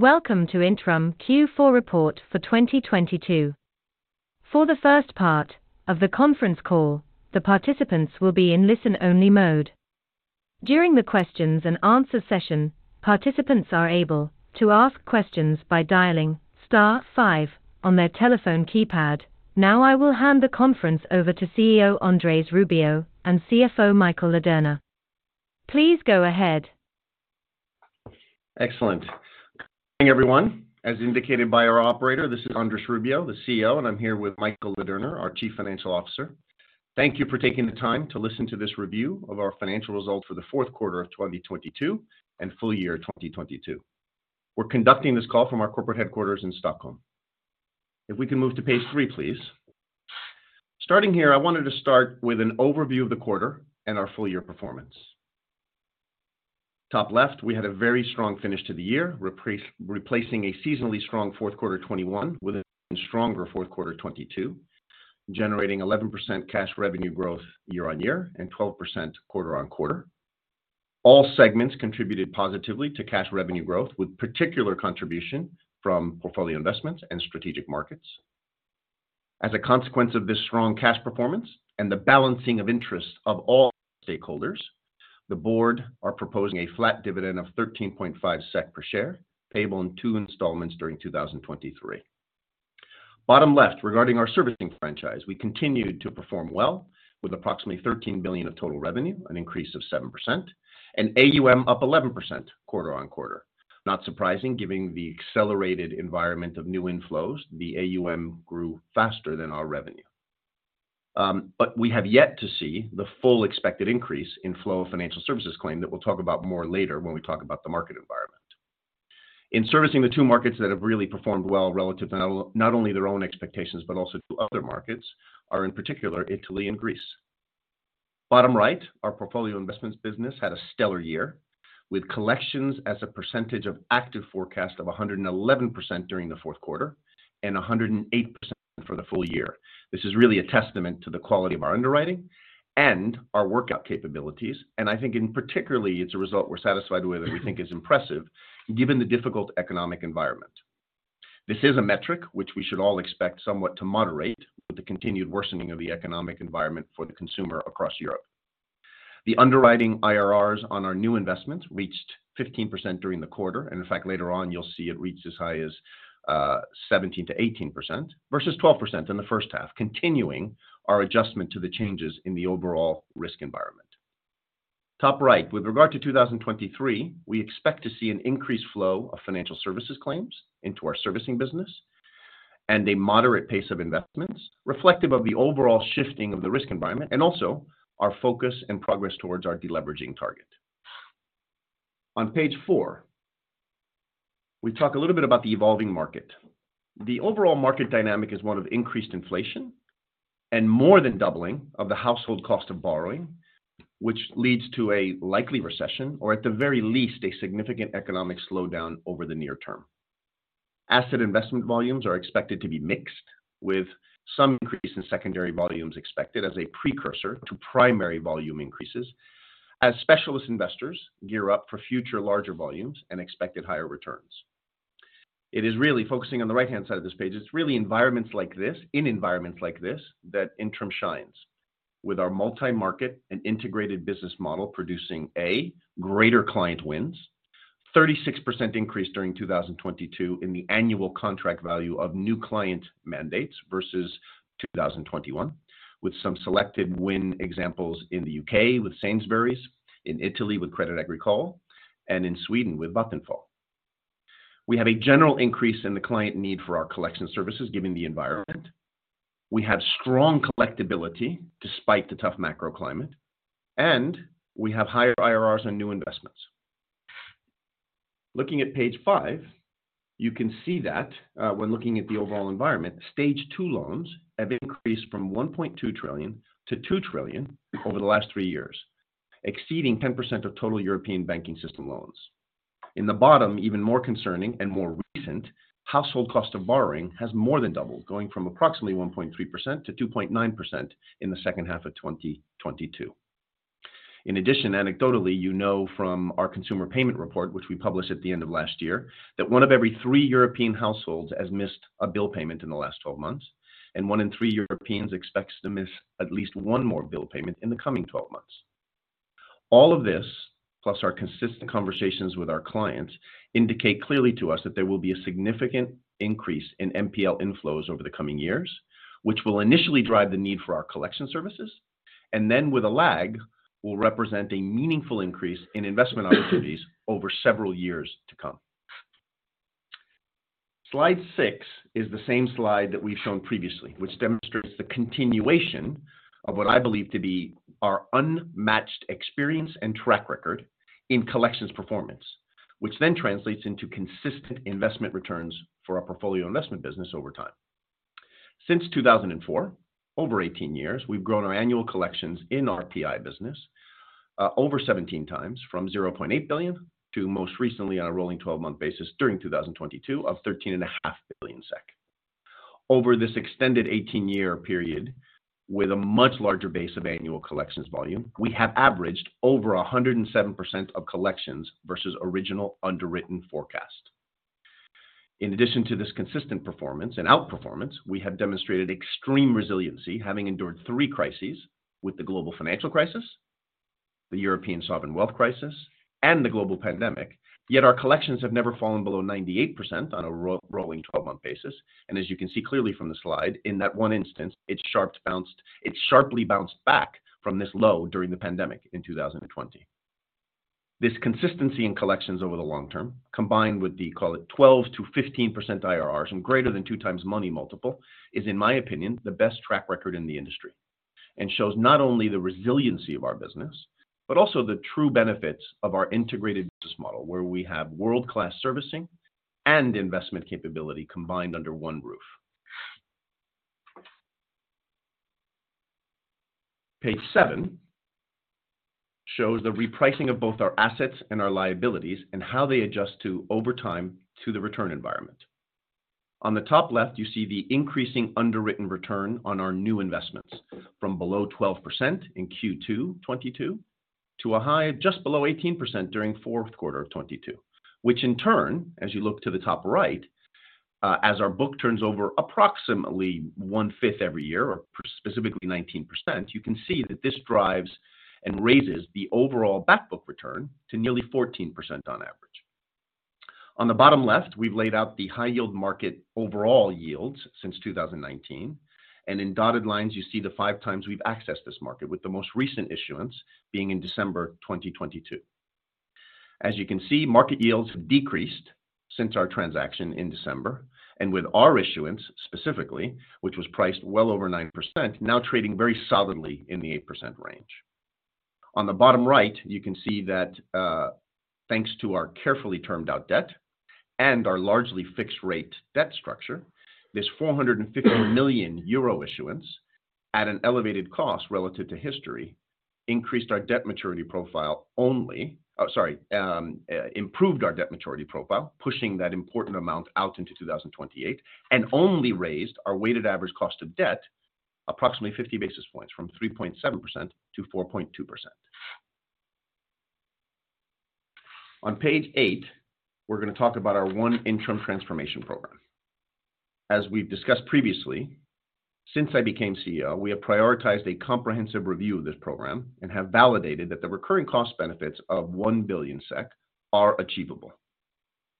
Welcome to Intrum Q4 report for 2022. For the first part of the conference call, the participants will be in listen-only mode. During the questions and answer session, participants are able to ask questions by dialing star five on their telephone keypad. Now I will hand the conference over to CEO Andrés Rubio and CFO Michael Ladurner. Please go ahead. Excellent. Good morning, everyone. As indicated by our operator, this is Andrés Rubio, the CEO, and I'm here with Michael Ladurner, our Chief Financial Officer. Thank you for taking the time to listen to this review of our financial results for the fourth quarter of 2022 and full year 2022. We're conducting this call from our corporate headquarters in Stockholm. If we can move to page three, please. Starting here, I wanted to start with an overview of the quarter and our full year performance. Top left, we had a very strong finish to the year, replacing a seasonally strong fourth quarter 2021 with an even stronger fourth quarter 2022, generating 11% cash revenue growth year-on-year and 12% quarter-on-quarter. All segments contributed positively to cash revenue growth, with particular contribution from portfolio investments and strategic markets. As a consequence of this strong cash performance and the balancing of interests of all stakeholders, the board are proposing a flat dividend of 13.5 SEK per share, payable in two installments during 2023. Bottom left, regarding our servicing franchise, we continued to perform well with approximately 13 billion of total revenue, an increase of 7%, and AUM up 11% quarter-on-quarter. Not surprising, giving the accelerated environment of new inflows, the AUM grew faster than our revenue. We have yet to see the full expected increase in flow of financial services claim that we'll talk about more later when we talk about the market environment. In servicing the two markets that have really performed well relative to not only their own expectations, but also to other markets are, in particular, Italy and Greece. Bottom right, our portfolio investments business had a stellar year with collections as a percentage of active forecast of 111% during the fourth quarter and 108% for the full year. This is really a testament to the quality of our underwriting and our workout capabilities, and I think in particularly, it's a result we're satisfied with and we think is impressive given the difficult economic environment. This is a metric which we should all expect somewhat to moderate with the continued worsening of the economic environment for the consumer across Europe. The underwriting IRRs on our new investments reached 15% during the quarter, in fact, later on, you'll see it reach as high as 17%-18% versus 12% in the first half, continuing our adjustment to the changes in the overall risk environment. Top right. With regard to 2023, we expect to see an increased flow of financial services claims into our servicing business and a moderate pace of investments reflective of the overall shifting of the risk environment, and also our focus and progress towards our deleveraging target. On page four, we talk a little bit about the evolving market. The overall market dynamic is one of increased inflation and more than doubling of the household cost of borrowing, which leads to a likely recession, or at the very least, a significant economic slowdown over the near term. Asset investment volumes are expected to be mixed, with some increase in secondary volumes expected as a precursor to primary volume increases as specialist investors gear up for future larger volumes and expected higher returns. It is really focusing on the right-hand side of this page. It's really environments like this that Intrum shines. With our multi-market and integrated business model producing, A, greater client wins. 36% increase during 2022 in the annual contract value of new client mandates versus 2021, with some selected win examples in the UK with Sainsbury's, in Italy with Crédit Agricole, and in Sweden with Vattenfall. We have a general increase in the client need for our collection services given the environment. We have strong collectibility despite the tough macro climate, and we have higher IRRs on new investments. Looking at page five, you can see that when looking at the overall environment, Stage 2 loans have increased from 1.2 trillion to 2 trillion over the last three years, exceeding 10% of total European banking system loans. In the bottom, even more concerning and more recent, household cost of borrowing has more than doubled, going from approximately 1.3% to 2.9% in the second half of 2022. Anecdotally, you know from our consumer payment report, which we published at the end of last year, that one of every three European households has missed a bill payment in the last 12 months, and one in three Europeans expects to miss at least one more bill payment in the coming 12 months. All of this, plus our consistent conversations with our clients, indicate clearly to us that there will be a significant increase in NPL inflows over the coming years, which will initially drive the need for our collection services, and then with a lag, will represent a meaningful increase in investment opportunities over several years to come. Slide 6 is the same slide that we've shown previously, which demonstrates the continuation of what I believe to be our unmatched experience and track record in collections performance, which then translates into consistent investment returns for our portfolio investment business over time. Since 2004, over 18 years, we've grown our annual collections in our PI business, over 17x from 0.8 billion to most recently on a rolling 12-month basis during 2022 of 13.5 billion SEK. Over this extended 18-year period with a much larger base of annual collections volume, we have averaged over 107% of collections versus original underwritten forecast. In addition to this consistent performance and outperformance, we have demonstrated extreme resiliency having endured three crises with the Global Financial Crisis, the European sovereign debt crisis, and the global pandemic. Our collections have never fallen below 98% on a rolling 12-month basis. As you can see clearly from the slide, in that one instance, it sharply bounced back from this low during the pandemic in 2020. This consistency in collections over the long term, combined with the, call it 12%-15% IRRs and greater than 2x money multiple, is, in my opinion, the best track record in the industry. Shows not only the resiliency of our business, but also the true benefits of our integrated business model, where we have world-class servicing and investment capability combined under one roof. Page seven shows the repricing of both our assets and our liabilities and how they adjust to, over time, to the return environment. On the top left, you see the increasing underwritten return on our new investments from below 12% in Q2 2022 to a high of just below 18% during fourth quarter of 2022. In turn, as you look to the top right, as our book turns over approximately 1/5 every year, or specifically 19%, you can see that this drives and raises the overall back book return to nearly 14% on average. On the bottom left, we've laid out the high yield market overall yields since 2019. In dotted lines, you see the five times we've accessed this market, with the most recent issuance being in December 2022. As you can see, market yields have decreased since our transaction in December. With our issuance specifically, which was priced well over 9%, now trading very solidly in the 8% range. On the bottom right, you can see that thanks to our carefully termed out debt and our largely fixed rate debt structure, this 450 million euro issuance at an elevated cost relative to history improved our debt maturity profile, pushing that important amount out into 2028, and only raised our weighted average cost of debt approximately 50 basis points from 3.7% to 4.2%. On page eight, we're going to talk about our ONE Intrum Transformation program. As we've discussed previously, since I became CEO, we have prioritized a comprehensive review of this program and have validated that the recurring cost benefits of 1 billion SEK are achievable.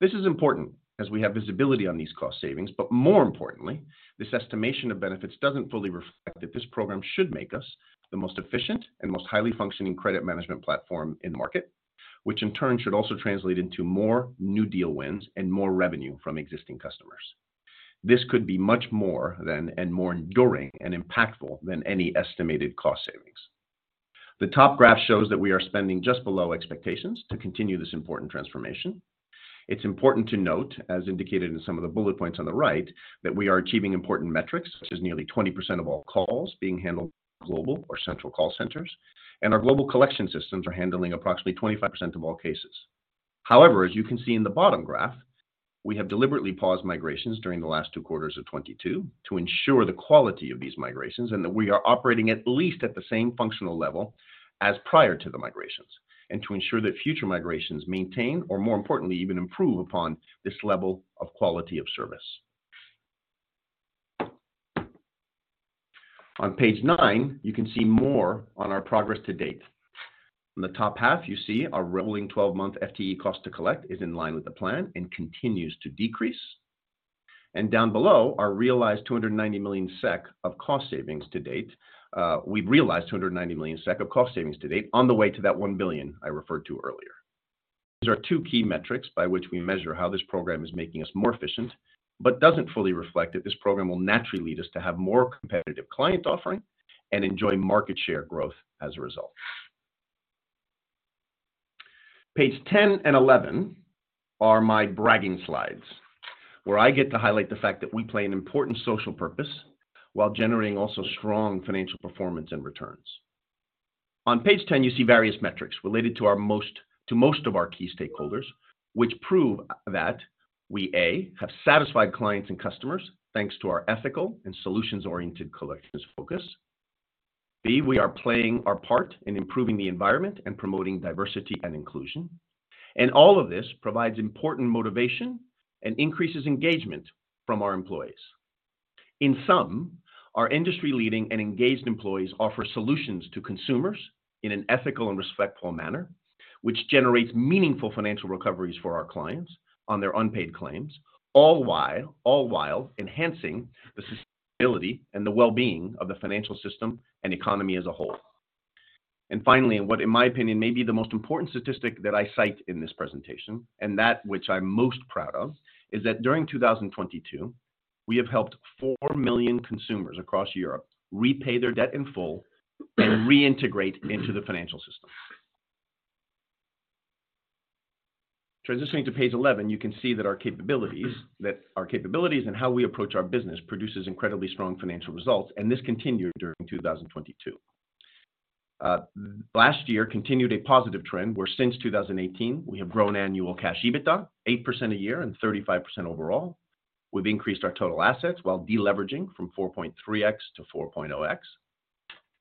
This is important as we have visibility on these cost savings, but more importantly, this estimation of benefits doesn't fully reflect that this program should make us the most efficient and most highly functioning credit management platform in the market, which in turn should also translate into more new deal wins and more revenue from existing customers. This could be much more than, and more enduring and impactful than any estimated cost savings. The top graph shows that we are spending just below expectations to continue this important transformation. It's important to note, as indicated in some of the bullet points on the right, that we are achieving important metrics, such as nearly 20% of all calls being handled global or central call centers, and our global collection systems are handling approximately 25% of all cases. As you can see in the bottom graph, we have deliberately paused migrations during the last two quarters of 2022 to ensure the quality of these migrations and that we are operating at least at the same functional level as prior to the migrations, and to ensure that future migrations maintain or more importantly even improve upon this level of quality of service. On page nine, you can see more on our progress to date. On the top half, you see our rolling 12-month FTE Cost to Collect is in line with the plan and continues to decrease. Down below, our realized 290 million SEK of cost savings to date. We've realized 290 million SEK of cost savings to date on the way to that 1 billion I referred to earlier. These are two key metrics by which we measure how this program is making us more efficient, but doesn't fully reflect that this program will naturally lead us to have more competitive client offering and enjoy market share growth as a result. Page 10 and 11 are my bragging slides, where I get to highlight the fact that we play an important social purpose while generating also strong financial performance and returns. On page 10, you see various metrics related to most of our key stakeholders, which prove that we, A, have satisfied clients and customers thanks to our ethical and solutions-oriented collections focus. B, we are playing our part in improving the environment and promoting diversity and inclusion. All of this provides important motivation and increases engagement from our employees. In sum, our industry-leading and engaged employees offer solutions to consumers in an ethical and respectful manner, which generates meaningful financial recoveries for our clients on their unpaid claims, all while enhancing the sustainability and the well-being of the financial system and economy as a whole. Finally, what in my opinion may be the most important statistic that I cite in this presentation, and that which I'm most proud of, is that during 2022, we have helped 4 million consumers across Europe repay their debt in full and reintegrate into the financial system. Transitioning to page 11, you can see that our capabilities and how we approach our business produces incredibly strong financial results. This continued during 2022. Last year continued a positive trend where since 2018 we have grown annual Cash EBITDA 8% a year and 35% overall. We've increased our total assets while de-leveraging from 0.3x to 4.0x,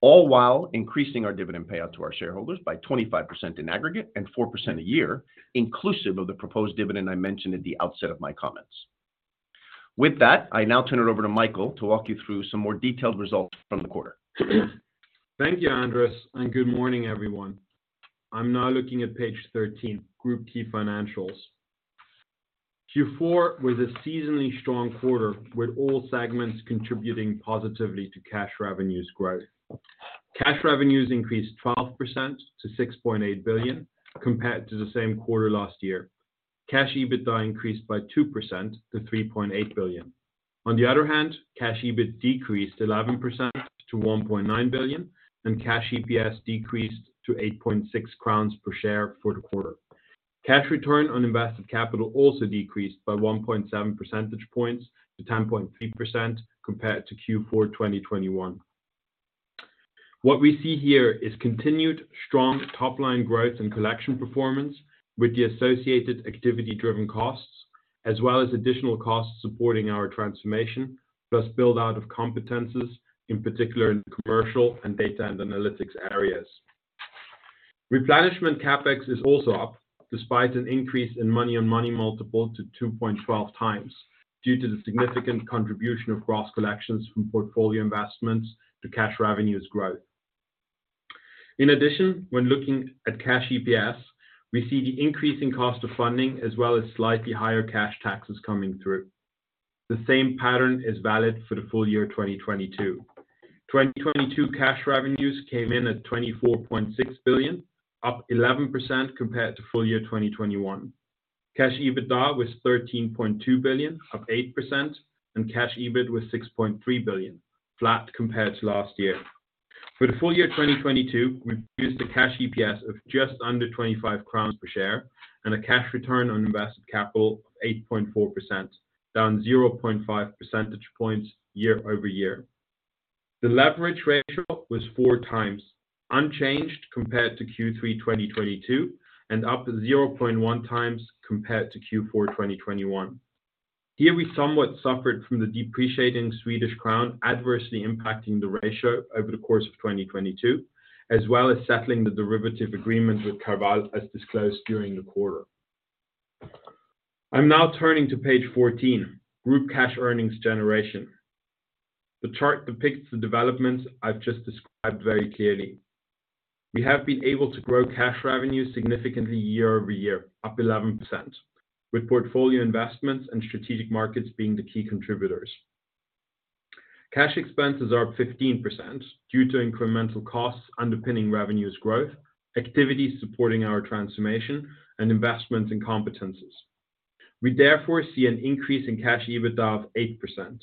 all while increasing our dividend payout to our shareholders by 25% in aggregate and 4% a year inclusive of the proposed dividend I mentioned at the outset of my comments. With that, I now turn it over to Michael to walk you through some more detailed results from the quarter. Thank you, Andrés. Good morning, everyone. I'm now looking at page 13, Group Key Financials. Q4 was a seasonally strong quarter with all segments contributing positively to cash revenues growth. Cash revenues increased 12% to 6.8 billion compared to the same quarter last year. Cash EBITDA increased by 2% to 3.8 billion. On the other hand, Cash EBIT decreased 11% to 1.9 billion, and Cash EPS decreased to 8.6 crowns per share for the quarter. Cash return on invested capital also decreased by 1.7 percentage points to 10.3% compared to Q4 2021. What we see here is continued strong top-line growth and collection performance with the associated activity driven costs as well as additional costs supporting our transformation plus build out of competencies, in particular in commercial and data and analytics areas. Replenishment CapEx is also up despite an increase in Money on Money Multiple to 2.12x due to the significant contribution of gross collections from portfolio investments to Cash revenues growth. In addition, when looking at Cash EPS, we see the increase in cost of funding as well as slightly higher Cash taxes coming through. The same pattern is valid for the full year 2022. 2022 Cash revenues came in at 24.6 billion, up 11% compared to full year 2021. Cash EBITDA was 13.2 billion, up 8%, and Cash EBIT was 6.3 billion, flat compared to last year. For the full year 2022, we produced a Cash EPS of just under 25 crowns per share and a Cash return on invested capital of 8.4%, down 0.5 percentage points year-over-year. The leverage ratio was 4x unchanged compared to Q3 2022 and up 0.1x compared to Q4 2021. Here we somewhat suffered from the depreciating Swedish crown adversely impacting the ratio over the course of 2022 as well as settling the derivative agreement with CarVal as disclosed during the quarter. I'm now turning to page 14, Group Cash Earnings Generation. The chart depicts the developments I've just described very clearly. We have been able to grow cash revenues significantly year-over-year, up 11% with portfolio investments and strategic markets being the key contributors. Cash expenses are up 15% due to incremental costs underpinning revenues growth, activities supporting our transformation and investments in competencies. We therefore see an increase in cash EBITDA of 8%.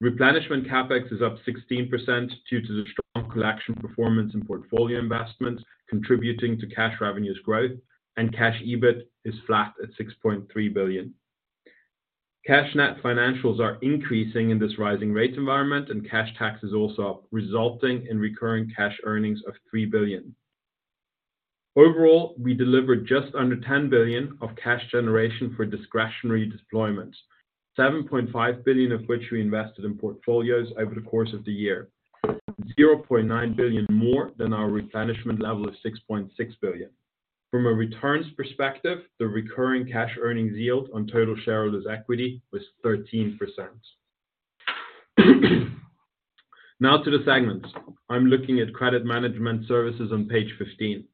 Replenishment CapEx is up 16% due to the strong collection performance and portfolio investments contributing to cash revenues growth and Cash EBIT is flat at 6.3 billion. Cash net financials are increasing in this rising rate environment and cash tax is also up resulting in recurring cash earnings of 3 billion. Overall, we delivered just under 10 billion of cash generation for discretionary deployments, 7.5 billion of which we invested in portfolios over the course of the year, 0.9 billion more than our Replenishment CapEx level of 6.6 billion. From a returns perspective, the recurring cash earnings yield on total shareholders' equity was 13%. Now to the segments. I'm looking at credit management services on page 15.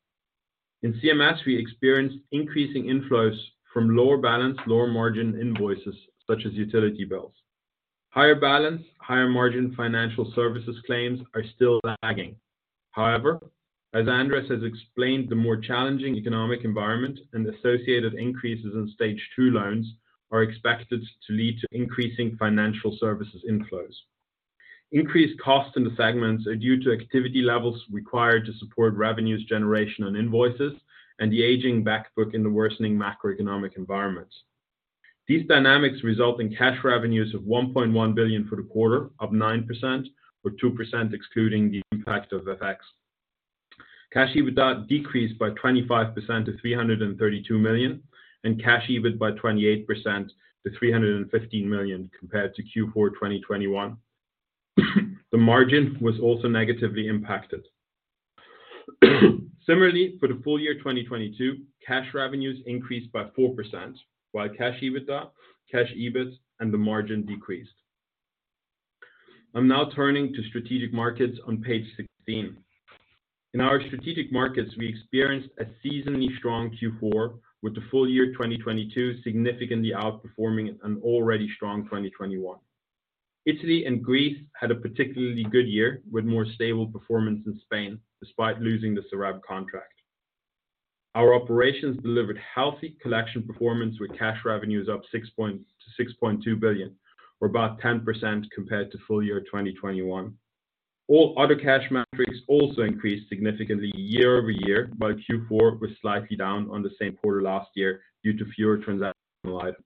In CMS, we experienced increasing inflows from lower balance, lower margin invoices such as utility bills. Higher balance, higher margin financial services claims are still lagging. As Andrés has explained, the more challenging economic environment and associated increases in Stage 2 loans are expected to lead to increasing financial services inflows. Increased costs in the segments are due to activity levels required to support revenues generation on invoices and the aging back book in the worsening macroeconomic environment. These dynamics result in cash revenues of 1.1 billion for the quarter, up 9% or 2% excluding the impact of FX. Cash EBITDA decreased by 25% to 332 million and Cash EBIT by 28% to 315 million compared to Q4 2021. The margin was also negatively impacted. For the full year 2022, cash revenues increased by 4% while Cash EBITDA, Cash EBIT, and the margin decreased. I'm now turning to strategic markets on page 16. In our strategic markets, we experienced a seasonally strong Q4 with the full year 2022 significantly outperforming an already strong 2021. Italy and Greece had a particularly good year with more stable performance in Spain despite losing the Sarab contract. Our operations delivered healthy collection performance with cash revenues up to 6.2 billion or about 10% compared to full year 2021. All other cash metrics also increased significantly year-over-year, but Q4 was slightly down on the same quarter last year due to fewer transactional items.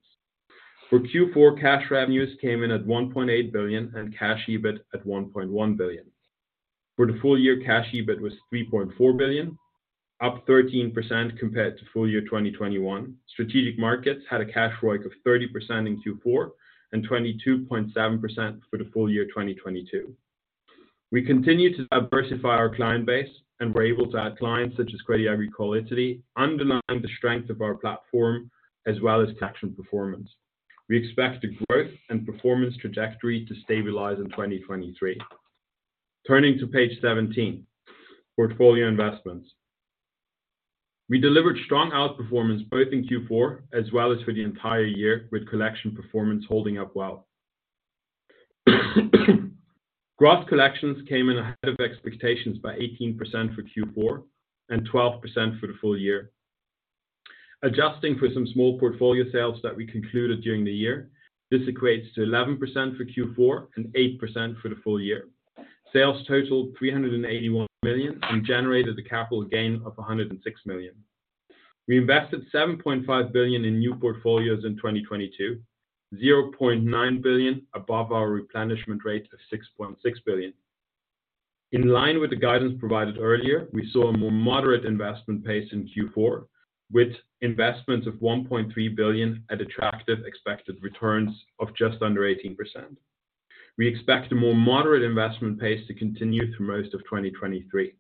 For Q4, cash revenues came in at 1.8 billion and Cash EBIT at 1.1 billion. For the full year, Cash EBIT was 3.4 billion, up 13% compared to full year 2021. Strategic markets had a Cash ROIC of 30% in Q4 and 22.7% for the full year 2022. We continue to diversify our client base and were able to add clients such as Crédit Agricole Italia, underlining the strength of our platform as well as collection performance. We expect the growth and performance trajectory to stabilize in 2023. Turning to page 17, portfolio investments. We delivered strong outperformance both in Q4 as well as for the entire year, with collection performance holding up well. Gross collections came in ahead of expectations by 18% for Q4 and 12% for the full year. Adjusting for some small portfolio sales that we concluded during the year, this equates to 11% for Q4 and 8% for the full year. Sales totaled 381 million and generated a capital gain of 106 million. We invested 7.5 billion in new portfolios in 2022, 0.9 billion above our replenishment rate of 6.6 billion. In line with the guidance provided earlier, we saw a more moderate investment pace in Q4, with investments of 1.3 billion at attractive expected returns of just under 18%. We expect a more moderate investment pace to continue through most of 2023.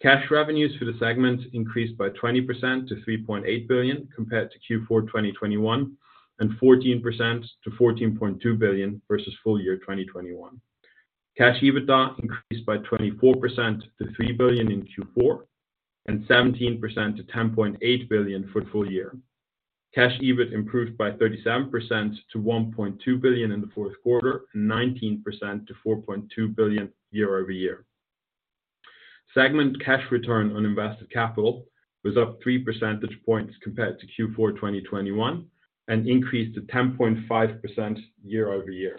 Cash revenues for the segment increased by 20% to 3.8 billion, compared to Q4 2021 and 14% to 14.2 billion versus full year 2021. Cash EBITDA increased by 24% to 3 billion in Q4 and 17% to 10.8 billion for the full year. Cash EBIT improved by 37% to 1.2 billion in the fourth quarter, 19% to 4.2 billion year-over-year. Segment cash return on invested capital was up 3 percentage points compared to Q4 2021 and increased to 10.5% year-over-year.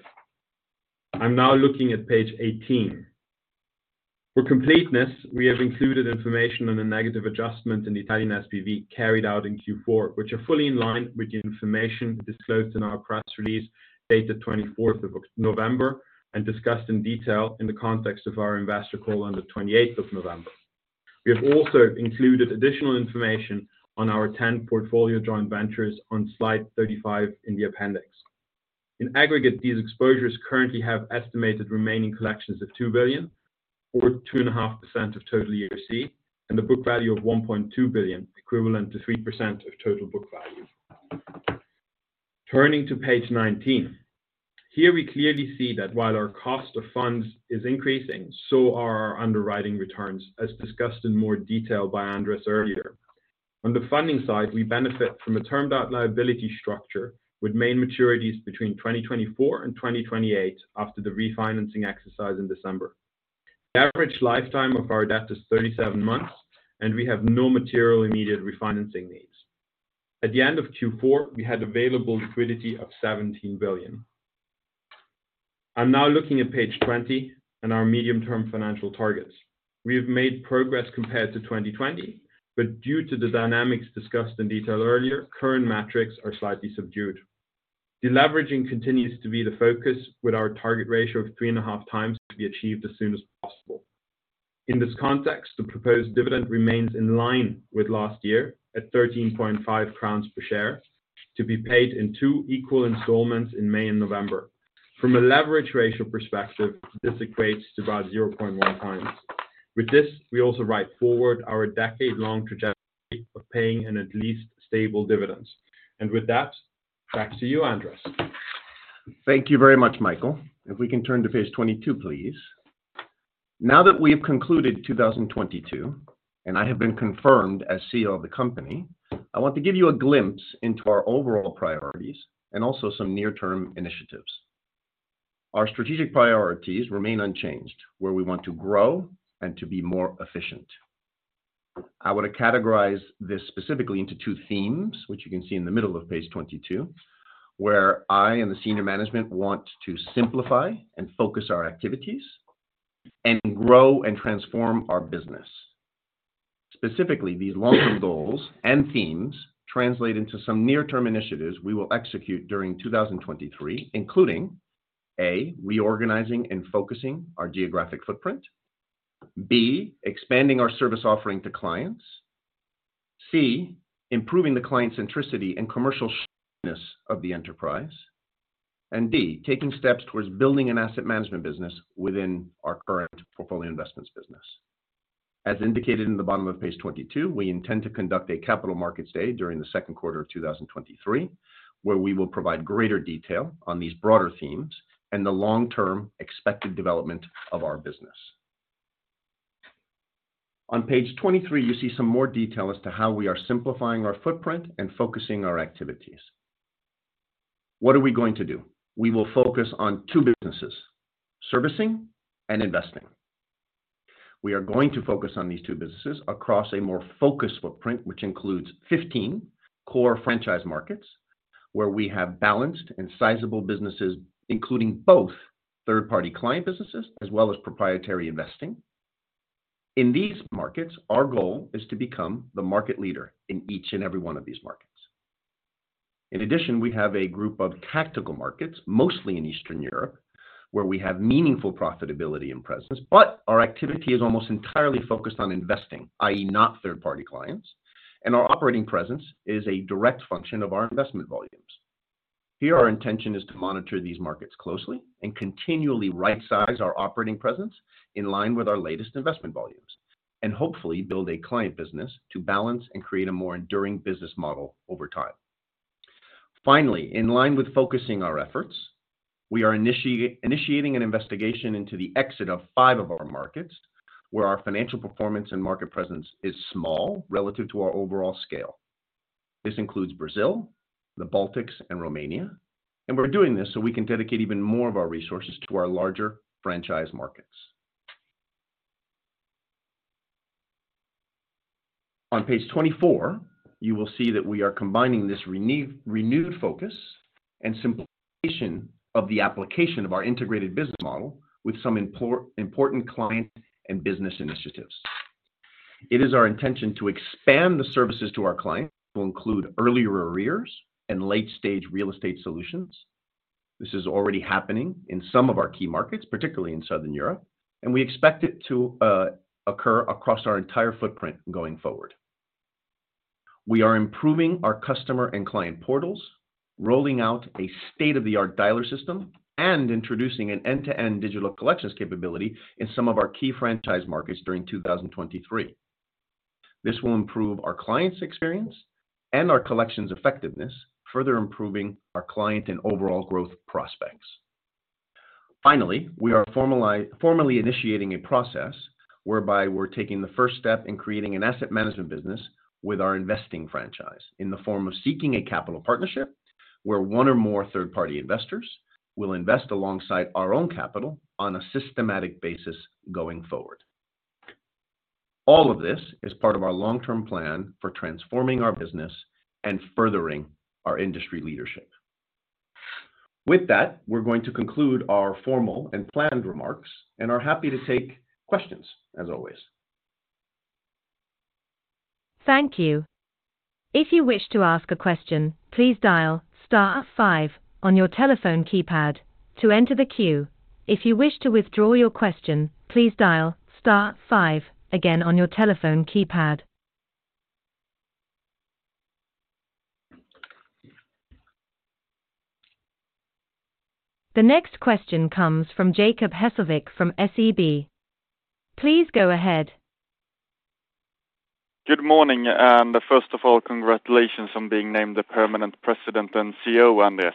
I'm now looking at page 18. For completeness, we have included information on the negative adjustment in Italian SPV carried out in Q4, which are fully in line with the information disclosed in our press release dated 24th of November and discussed in detail in the context of our investor call on the 28th of November. We have also included additional information on our 10 portfolio joint ventures on slide 35 in the appendix. In aggregate, these exposures currently have estimated remaining collections of 2 billion or 2.5% of total AOC and a book value of 1.2 billion, equivalent to 3% of total book value. Turning to page 19. Here we clearly see that while our cost of funds is increasing, so are our underwriting returns, as discussed in more detail by Andrés earlier. On the funding side, we benefit from a term debt liability structure with main maturities between 2024 and 2028 after the refinancing exercise in December. The average lifetime of our debt is 37 months, and we have no material immediate refinancing needs. At the end of Q4, we had available liquidity of 17 billion. I'm now looking at page 20 and our medium-term financial targets. We have made progress compared to 2020, but due to the dynamics discussed in detail earlier, current metrics are slightly subdued. Deleveraging continues to be the focus with our target ratio of 3.5x to be achieved as soon as possible. In this context, the proposed dividend remains in line with last year at 13.5 crowns per share to be paid in two equal installments in May and November. From a leverage ratio perspective, this equates to about 0.1x. With this, we also write forward our decade-long trajectory of paying an at least stable dividends. With that, back to you, Andrés. Thank you very much, Michael. If we can turn to page 22, please. Now that we have concluded 2022, and I have been confirmed as CEO of the company, I want to give you a glimpse into our overall priorities and also some near term initiatives. Our strategic priorities remain unchanged, where we want to grow and to be more efficient. I want to categorize this specifically into two themes, which you can see in the middle of page 22, where I and the senior management want to simplify and focus our activities and grow and transform our business. Specifically, these long-term goals and themes translate into some near term initiatives we will execute during 2023, including A, reorganizing and focusing our geographic footprint. B, expanding our service offering to clients. C, improving the client centricity and commercial sharpness of the enterprise. D, taking steps towards building an asset management business within our current portfolio investments business. As indicated in the bottom of page 22, we intend to conduct a Capital Markets Day during the second quarter of 2023, where we will provide greater detail on these broader themes and the long-term expected development of our business. On page 23, you see some more detail as to how we are simplifying our footprint and focusing our activities. What are we going to do? We will focus on two businesses, servicing and investing. We are going to focus on these two businesses across a more focused footprint, which includes 15 core franchise markets where we have balanced and sizable businesses, including both third-party client businesses as well as proprietary investing. In these markets, our goal is to become the market leader in each and every one of these markets. In addition, we have a group of tactical markets, mostly in Eastern Europe, where we have meaningful profitability and presence, but our activity is almost entirely focused on investing, i.e. not third-party clients, and our operating presence is a direct function of our investment volumes. Here, our intention is to monitor these markets closely and continually right-size our operating presence in line with our latest investment volumes, and hopefully build a client business to balance and create a more enduring business model over time. Finally, in line with focusing our efforts, we are initiating an investigation into the exit of five of our markets where our financial performance and market presence is small relative to our overall scale. This includes Brazil, the Baltics, and Romania. We're doing this so we can dedicate even more of our resources to our larger franchise markets. On page 24, you will see that we are combining this renewed focus and simplification of the application of our integrated business model with some important client and business initiatives. It is our intention to expand the services to our clients to include earlier arrears and late-stage real estate solutions. This is already happening in some of our key markets, particularly in Southern Europe, and we expect it to occur across our entire footprint going forward. We are improving our customer and client portals, rolling out a state-of-the-art dialer system, and introducing an end-to-end digital collections capability in some of our key franchise markets during 2023. This will improve our clients' experience and our collections effectiveness, further improving our client and overall growth prospects. We are formally initiating a process whereby we're taking the first step in creating an asset management business with our investing franchise in the form of seeking a capital partnership where one or more third-party investors will invest alongside our own capital on a systematic basis going forward. All of this is part of our long-term plan for transforming our business and furthering our industry leadership. With that, we're going to conclude our formal and planned remarks and are happy to take questions, as always. Thank you. If you wish to ask a question, please dial star five on your telephone keypad to enter the queue. If you wish to withdraw your question, please dial star five again on your telephone keypad. The next question comes from Jacob Hesselvik from SEB. Please go ahead. Good morning, first of all, congratulations on being named the permanent President and CEO, Anders.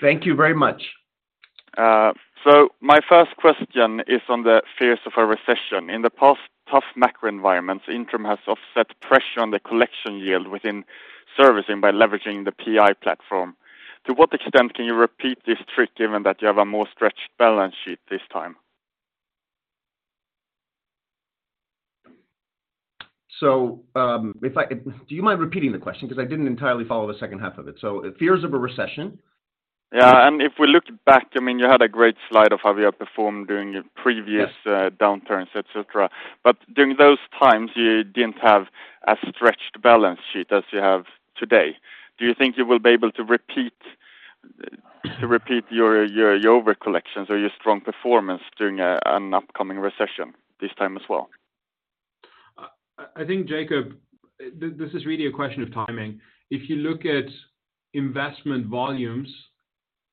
Thank you very much. My first question is on the fears of a recession. In the past tough macro environments, Intrum has offset pressure on the collection yield within servicing by leveraging the PI platform. To what extent can you repeat this trick given that you have a more stretched balance sheet this time? Do you mind repeating the question? Because I didn't entirely follow the second half of it. Fears of a recession. Yeah. If we look back, I mean, you had a great slide of how we have performed during your previous-. Yes. downturns, et cetera. During those times you didn't have a stretched balance sheet as you have today. Do you think you will be able to repeat your overcollections or your strong performance during an upcoming recession this time as well? I think, Jacob, this is really a question of timing. If you look at investment volumes,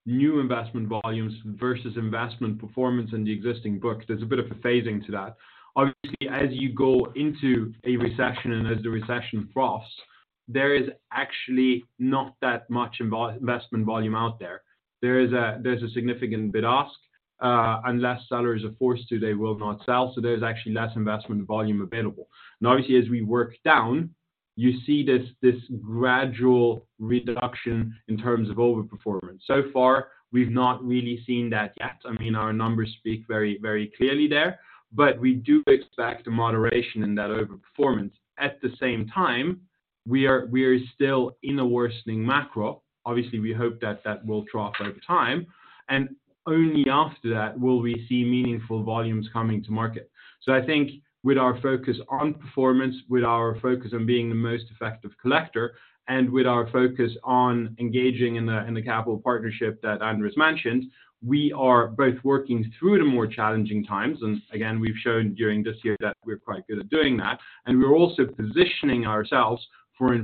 new investment volumes versus investment performance in the existing book, there's a bit of a phasing to that. Obviously, as you go into a recession and as the recession crosses, there is actually not that much investment volume out there. There's a significant bid ask. Unless sellers are forced to, they will not sell. There's actually less investment volume available. Obviously, as we work down, you see this gradual reduction in terms of overperformance. So far, we've not really seen that yet. I mean, our numbers speak very, very clearly there. We do expect a moderation in that overperformance. At the same time, we are still in a worsening macro. Obviously, we hope that that will drop over time. Only after that will we see meaningful volumes coming to market. I think with our focus on performance, with our focus on being the most effective collector, and with our focus on engaging in the, in the capital partnership that Anders mentioned, we are both working through the more challenging times, and again, we've shown during this year that we're quite good at doing that, and we're also positioning ourselves for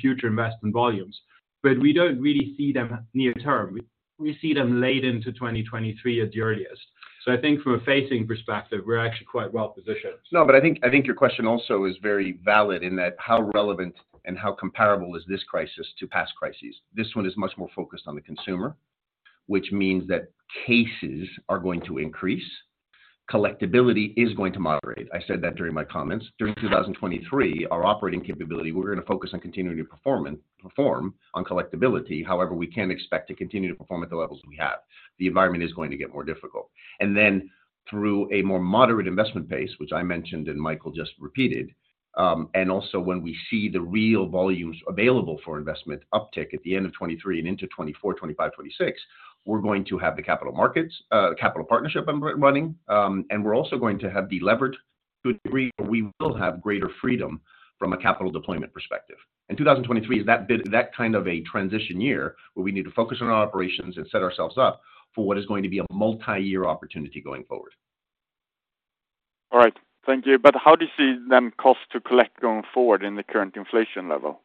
future investment volumes. We don't really see them near term. We see them late into 2023 at the earliest. I think from a phasing perspective, we're actually quite well-positioned. I think, I think your question also is very valid in that how relevant and how comparable is this crisis to past crises. This one is much more focused on the consumer, which means that cases are going to increase. Collectibility is going to moderate. I said that during my comments. During 2023, our operating capability, we're going to focus on continuing to perform on collectibility. We can't expect to continue to perform at the levels we have. The environment is going to get more difficult. Through a more moderate investment pace, which I mentioned and Michael just repeated. Also when we see the real volumes available for investment uptick at the end of 2023 and into 2024, 2025, 2026, we're going to have the capital markets, capital partnership up and running, and we're also going to have delevered to a degree where we will have greater freedom from a capital deployment perspective. 2023 is that kind of a transition year where we need to focus on our operations and set ourselves up for what is going to be a multiyear opportunity going forward. All right. Thank you. How do you see Cost to Collect going forward in the current inflation level?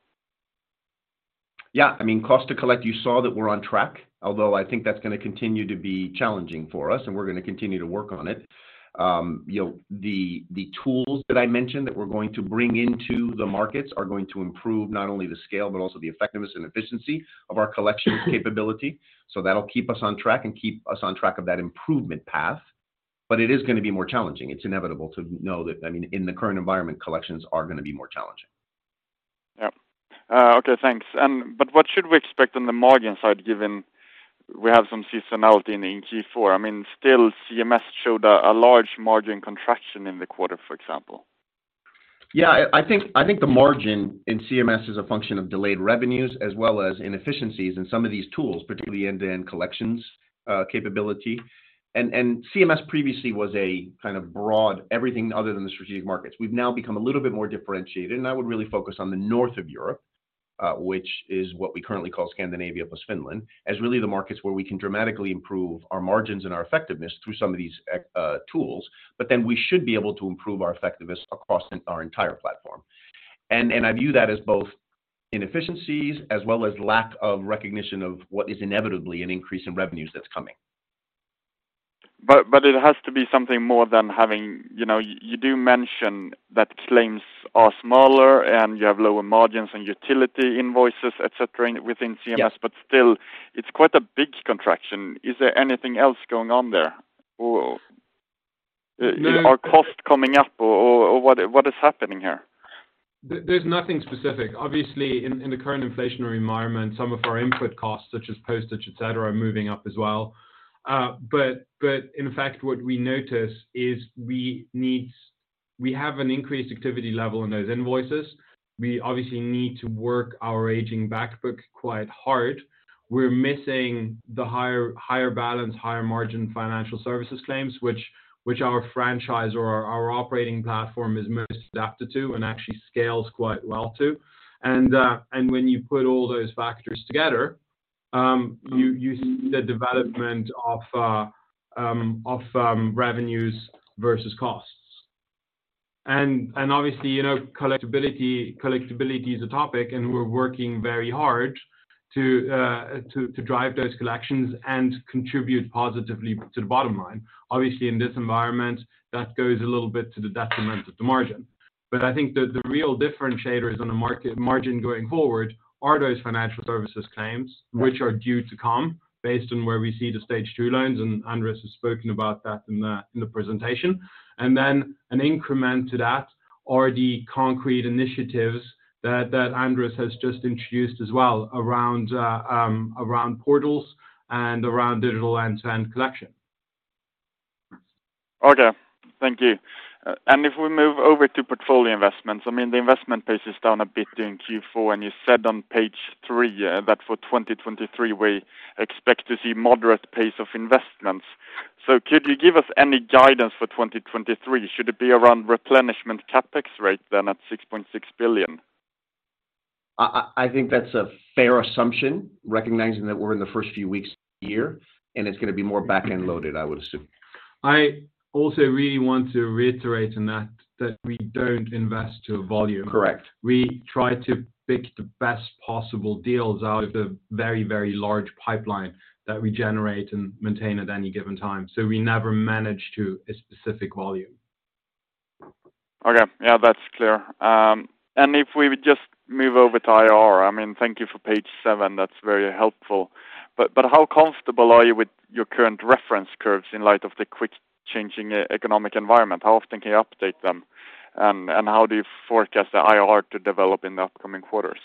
Yeah. I mean, Cost to Collect, you saw that we're on track, although I think that's going to continue to be challenging for us, and we're going to continue to work on it. You know, the tools that I mentioned that we're going to bring into the markets are going to improve not only the scale but also the effectiveness and efficiency of our collections capability. That'll keep us on track and keep us on track of that improvement path. It is going to be more challenging. It's inevitable to know that, I mean, in the current environment, collections are going to be more challenging. Yeah. Okay, thanks. What should we expect on the margin side given we have some seasonality in Q4? I mean, still, CMS showed a large margin contraction in the quarter, for example. Yeah. I think the margin in CMS is a function of delayed revenues as well as inefficiencies in some of these tools, particularly end-to-end collections capability. And CMS previously was a kind of broad everything other than the strategic markets. We've now become a little bit more differentiated, and I would really focus on the north of Europe, which is what we currently call Scandinavia plus Finland, as really the markets where we can dramatically improve our margins and our effectiveness through some of these tools. We should be able to improve our effectiveness across our entire platform. And I view that as both inefficiencies as well as lack of recognition of what is inevitably an increase in revenues that's coming. It has to be something more than having, you know, you do mention that claims are smaller, and you have lower margins and utility invoices, et cetera, within CMS. Yeah. Still, it's quite a big contraction. Is there anything else going on there? Or, are costs coming up or what is happening here? There's nothing specific. Obviously, in the current inflationary environment, some of our input costs, such as postage, et cetera, are moving up as well. But in fact, what we notice is we have an increased activity level in those invoices. We obviously need to work our aging back book quite hard. We're missing the higher balance, higher margin financial services claims, which our franchise or our operating platform is most adapted to and actually scales quite well to. When you put all those factors together, you see the development of revenues versus costs. Obviously, you know, collectibility is a topic, and we're working very hard to drive those collections and contribute positively to the bottom line. Obviously, in this environment, that goes a little bit to the detriment of the margin. I think the real differentiators on the market margin going forward are those financial services claims which are due to come based on where we see the Stage 2 loans. Andres has spoken about that in the presentation. An increment to that are the concrete initiatives that Andres has just introduced as well around around portals and around digital end-to-end collection. Okay. Thank you. If we move over to portfolio investments, I mean, the investment pace is down a bit during Q4, you said on page three, that for 2023 we expect to see moderate pace of investments. Could you give us any guidance for 2023? Should it be around Replenishment CapEx rate then at 6.6 billion? I think that's a fair assumption, recognizing that we're in the first few weeks of the year, and it's going to be more backend loaded, I would assume. I also really want to reiterate on that we don't invest to a volume. Correct. We try to pick the best possible deals out of the very, very large pipeline that we generate and maintain at any given time. We never manage to a specific volume. Okay. Yeah, that's clear. If we just move over to IR. I mean, thank you for page seven. That's very helpful. But how comfortable are you with your current reference curves in light of the quick changing economic environment? How often can you update them? And how do you forecast the IR to develop in the upcoming quarters?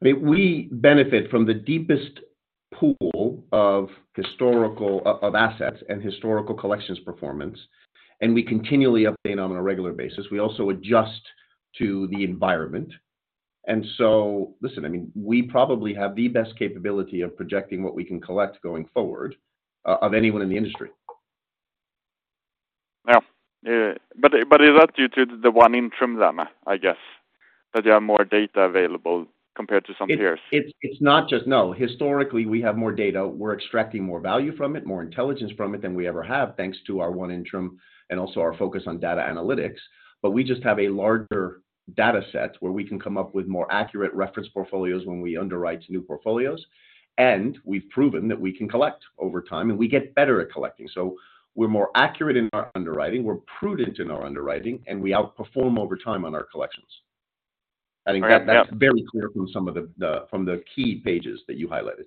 We benefit from the deepest pool of historical assets and historical collections performance, and we continually update them on a regular basis. We also adjust to the environment. Listen, I mean, we probably have the best capability of projecting what we can collect going forward of anyone in the industry. Yeah. Is that due to the ONE Intrum then, I guess? That there are more data available compared to some peers. It's not just. No. Historically, we have more data. We're extracting more value from it, more intelligence from it than we ever have, thanks to our ONE Intrum and also our focus on data analytics. We just have a larger dataset where we can come up with more accurate reference portfolios when we underwrite new portfolios, and we've proven that we can collect over time, and we get better at collecting. We're more accurate in our underwriting, we're prudent in our underwriting, and we outperform over time on our collections. All right. Yeah. I think that's very clear from some of the key pages that you highlighted.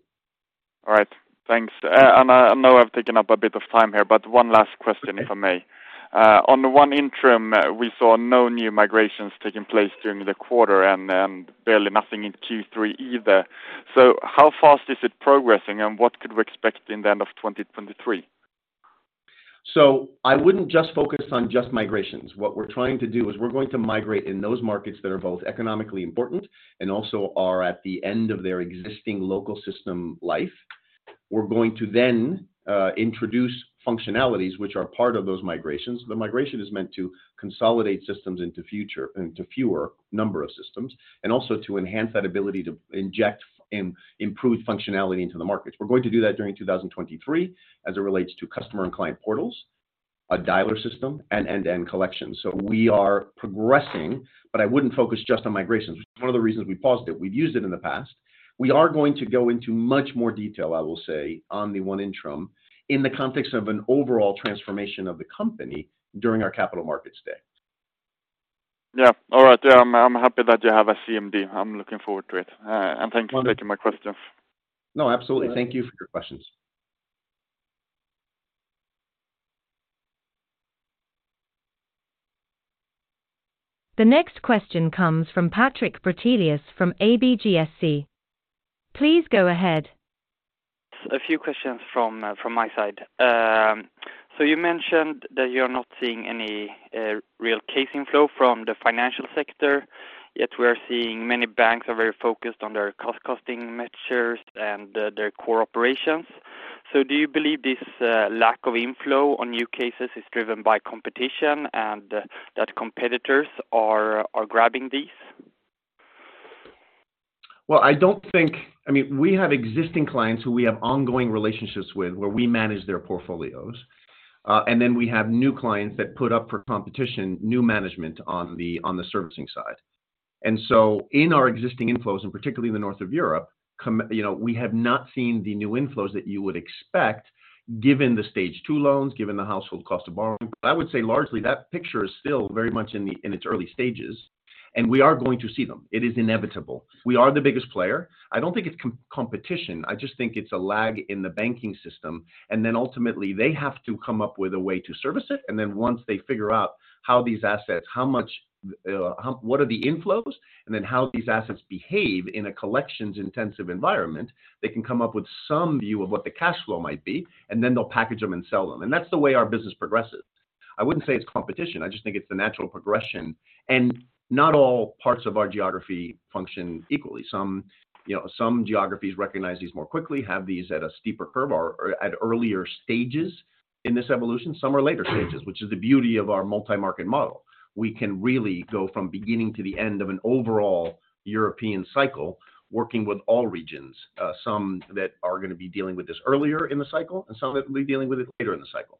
All right. Thanks. I know I've taken up a bit of time here, but one last question, if I may. On the ONE Intrum, we saw no new migrations taking place during the quarter and barely nothing in Q3 either. How fast is it progressing, and what could we expect in the end of 2023? I wouldn't just focus on just migrations. What we're trying to do is we're going to migrate in those markets that are both economically important and also are at the end of their existing local system life. We're going to then introduce functionalities which are part of those migrations. The migration is meant to consolidate systems into fewer number of systems, and also to enhance that ability to inject and improve functionality into the markets. We're going to do that during 2023 as it relates to customer and client portals, a dialer system and end-to-end collection. We are progressing, but I wouldn't focus just on migrations, which is one of the reasons we paused it. We've used it in the past. We are going to go into much more detail, I will say, on the ONE Intrum in the context of an overall transformation of the company during our Capital Markets Day. Yeah. All right. I'm happy that you have a CMD. I'm looking forward to it. Thank you for taking my question. No, absolutely. Thank you for your questions. The next question comes from Patrik Brattelius from ABGSC. Please go ahead. A few questions from my side. You mentioned that you're not seeing any real case inflow from the financial sector, yet we are seeing many banks are very focused on their costing measures and their core operations. Do you believe this lack of inflow on new cases is driven by competition and that competitors are grabbing these? I mean, we have existing clients who we have ongoing relationships with, where we manage their portfolios. We have new clients that put up for competition, new management on the, on the servicing side. In our existing inflows, and particularly in the north of Europe, you know, we have not seen the new inflows that you would expect given the Stage 2 loans, given the household cost of borrowing. I would say largely that picture is still very much in the, in its early stages, and we are going to see them. It is inevitable. We are the biggest player. I don't think it's competition. I just think it's a lag in the banking system. Ultimately they have to come up with a way to service it. Once they figure out how these assets, how much, what are the inflows and then how these assets behave in a collections intensive environment, they can come up with some view of what the cash flow might be, and then they'll package them and sell them. That's the way our business progresses. I wouldn't say it's competition. I just think it's the natural progression. Not all parts of our geography function equally. Some, you know, some geographies recognize these more quickly, have these at a steeper curve or at earlier stages in this evolution. Some are later stages, which is the beauty of our multi-market model. We can really go from beginning to the end of an overall European cycle working with all regions, some that are going to be dealing with this earlier in the cycle and some that will be dealing with it later in the cycle.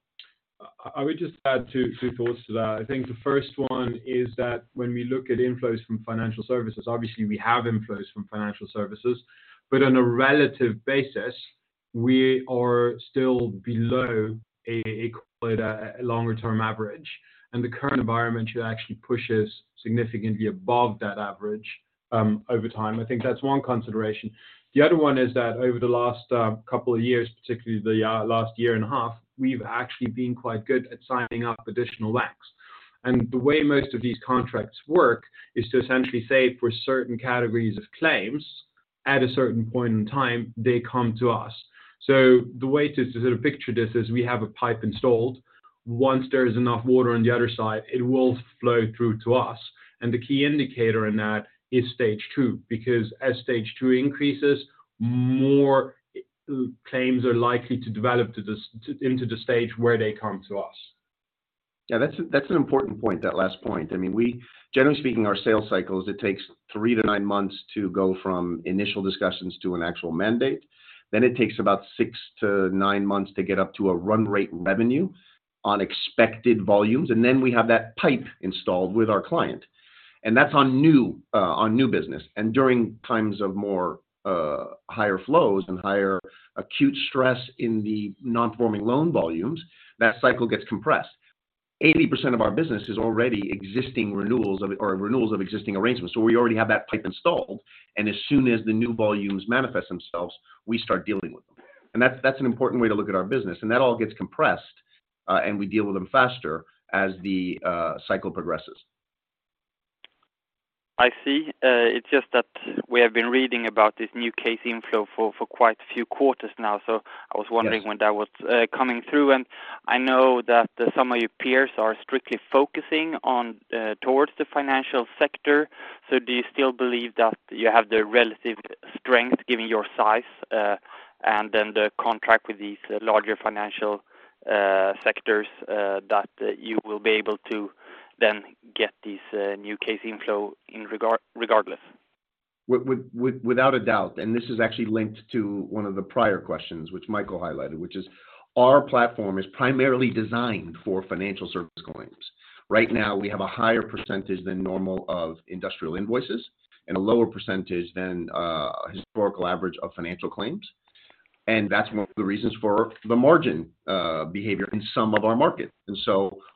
I would just add two thoughts to that. I think the first one is that when we look at inflows from financial services, obviously we have inflows from financial services. But on a relative basis, we are still below a call it a longer term average. The current environment should actually push us significantly above that average over time. I think that's one consideration. The other one is that over the last couple of years, particularly the last year and a half, we've actually been quite good at signing up additional LACs. The way most of these contracts work is to essentially say for certain categories of claims at a certain point in time, they come to us. The way to sort of picture this is we have a pipe installed. Once there's enough water on the other side, it will flow through to us. The key indicator in that is Stage 2, because as Stage 2 increases, more claims are likely to develop into the stage where they come to us. Yeah, that's an important point, that last point. I mean, generally speaking, our sales cycles, it takes three to nine months to go from initial discussions to an actual mandate. It takes about six to nine months to get up to a run rate revenue on expected volumes. Then we have that pipe installed with our client. That's on new business. During times of more higher flows and higher acute stress in the non-performing loan volumes, that cycle gets compressed. 80% of our business is already existing renewals of existing arrangements. We already have that pipe installed, and as soon as the new volumes manifest themselves, we start dealing with them. That's an important way to look at our business. That all gets compressed, and we deal with them faster as the cycle progresses. I see. It's just that we have been reading about this new case inflow for quite a few quarters now. I was wondering when that was coming through. I know that some of your peers are strictly focusing on towards the financial sector. Do you still believe that you have the relative strength given your size, and then the contract with these larger financial sectors, that you will be able to then get these new case inflow regardless? Without a doubt, this is actually linked to one of the prior questions which Michael highlighted, which is our platform is primarily designed for financial service claims. Right now, we have a higher percentage than normal of industrial invoices and a lower percentage than a historical average of financial claims. That's one of the reasons for the margin behavior in some of our markets.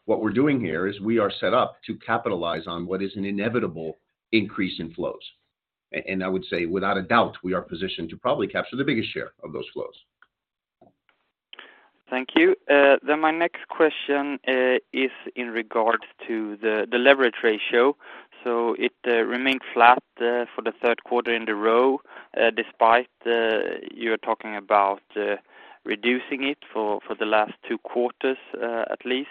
What we're doing here is we are set up to capitalize on what is an inevitable increase in flows. I would say without a doubt, we are positioned to probably capture the biggest share of those flows. Thank you. My next question is in regard to the leverage ratio. It remained flat for the third quarter in the row, despite you're talking about reducing it for the last two quarters, at least.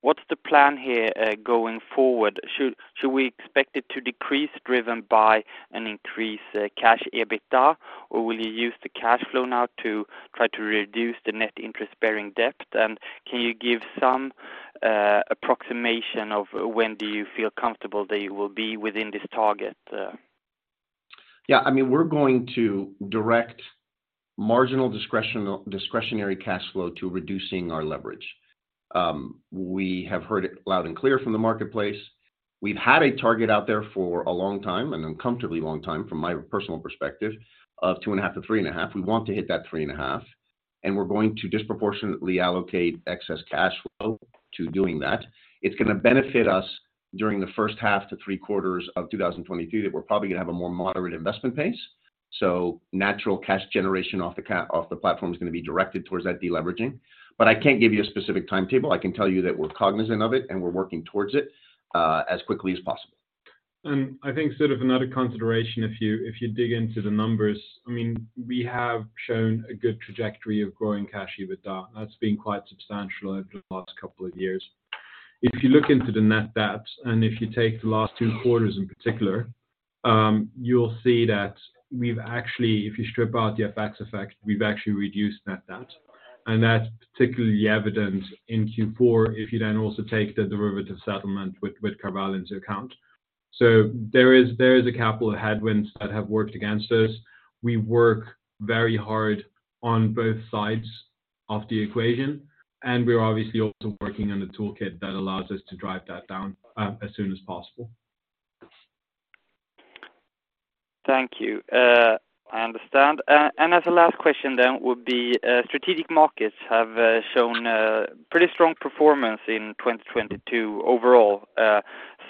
What's the plan here going forward? Should we expect it to decrease driven by an increased Cash EBITDA, or will you use the cash flow now to try to reduce the net interest-bearing debt? Can you give some approximation of when do you feel comfortable that you will be within this target? I mean, we're going to direct marginal discretionary cash flow to reducing our leverage. We have heard it loud and clear from the marketplace. We've had a target out there for a long time, an uncomfortably long time from my personal perspective, of two and a half to three and a half. We want to hit that three and a half, and we're going to disproportionately allocate excess cash flow to doing that. It's going to benefit us during the first half to three quarters of 2022, that we're probably going to have a more moderate investment pace. Natural cash generation off the platform is going to be directed towards that deleveraging. I can't give you a specific timetable. I can tell you that we're cognizant of it, and we're working towards it as quickly as possible. I think sort of another consideration if you dig into the numbers, I mean, we have shown a good trajectory of growing Cash EBITDA. That's been quite substantial over the last couple of years. If you look into the net debt, if you take the last two quarters in particular, you'll see that we've actually, if you strip out the FX effect, we've actually reduced net debt. That's particularly evident in Q4 if you then also take the derivative settlement with Covalence into account. There is a couple of headwinds that have worked against us. We work very hard on both sides of the equation, and we're obviously also working on the toolkit that allows us to drive that down as soon as possible. Thank you. I understand. As a last question then would be, strategic markets have shown pretty strong performance in 2022 overall.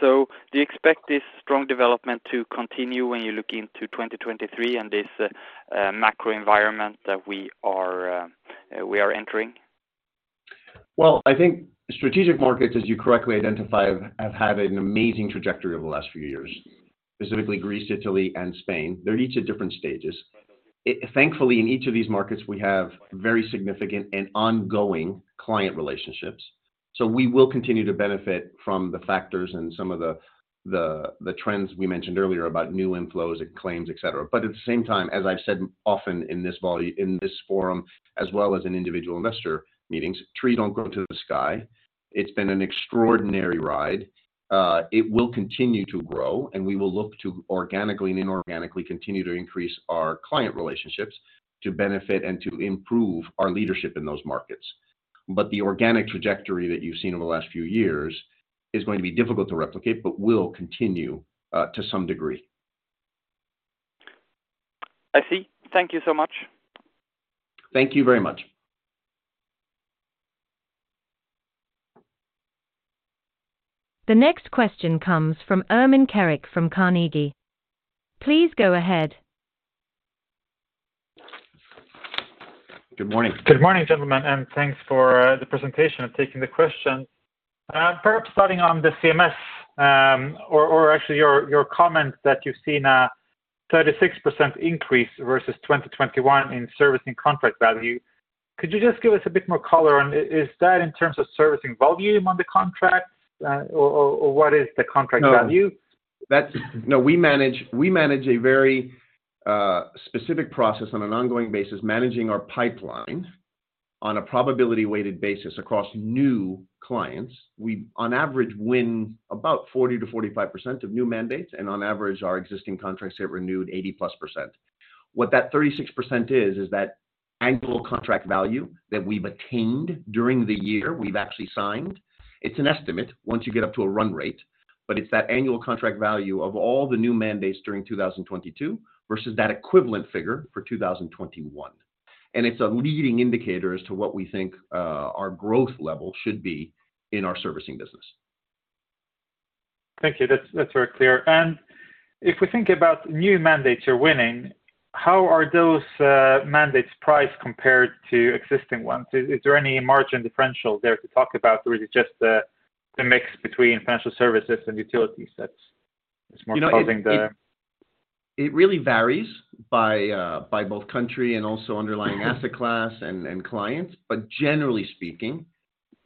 Do you expect this strong development to continue when you look into 2023 and this macro environment that we are entering? I think strategic markets, as you correctly identify, have had an amazing trajectory over the last few years, specifically Greece, Italy, and Spain. They're each at different stages. Thankfully, in each of these markets, we have very significant and ongoing client relationships. We will continue to benefit from the factors and some of the trends we mentioned earlier about new inflows and claims, et cetera. At the same time, as I've said often in this forum, as well as in individual investor meetings, trees don't grow to the sky. It's been an extraordinary ride. It will continue to grow, we will look to organically and inorganically continue to increase our client relationships to benefit and to improve our leadership in those markets. The organic trajectory that you've seen over the last few years is going to be difficult to replicate but will continue to some degree. I see. Thank you so much. Thank you very much. The next question comes from Ermin Keric from Carnegie. Please go ahead. Good morning. Good morning, gentlemen, and thanks for the presentation. I'm taking the questions. Perhaps starting on the CMS, or actually your comment that you've seen a 36% increase versus 2021 in servicing contract value. Could you just give us a bit more color on, is that in terms of servicing volume on the contract, or what is the contract value? No, we manage a very specific process on an ongoing basis, managing our pipeline on a probability-weighted basis across new clients. We on average win about 40%-45% of new mandates, on average, our existing contracts get renewed +80%. What that 36% is that annual contract value that we've attained during the year, we've actually signed. It's an estimate once you get up to a run rate. It's that annual contract value of all the new mandates during 2022 versus that equivalent figure for 2021. It's a leading indicator as to what we think our growth level should be in our servicing business. Thank you. That's very clear. If we think about new mandates you're winning, how are those mandates priced compared to existing ones? Is there any margin differential there to talk about, or is it just the mix between financial services and utilities that's more causing? You know, it really varies by both country and also underlying asset class and clients. Generally speaking,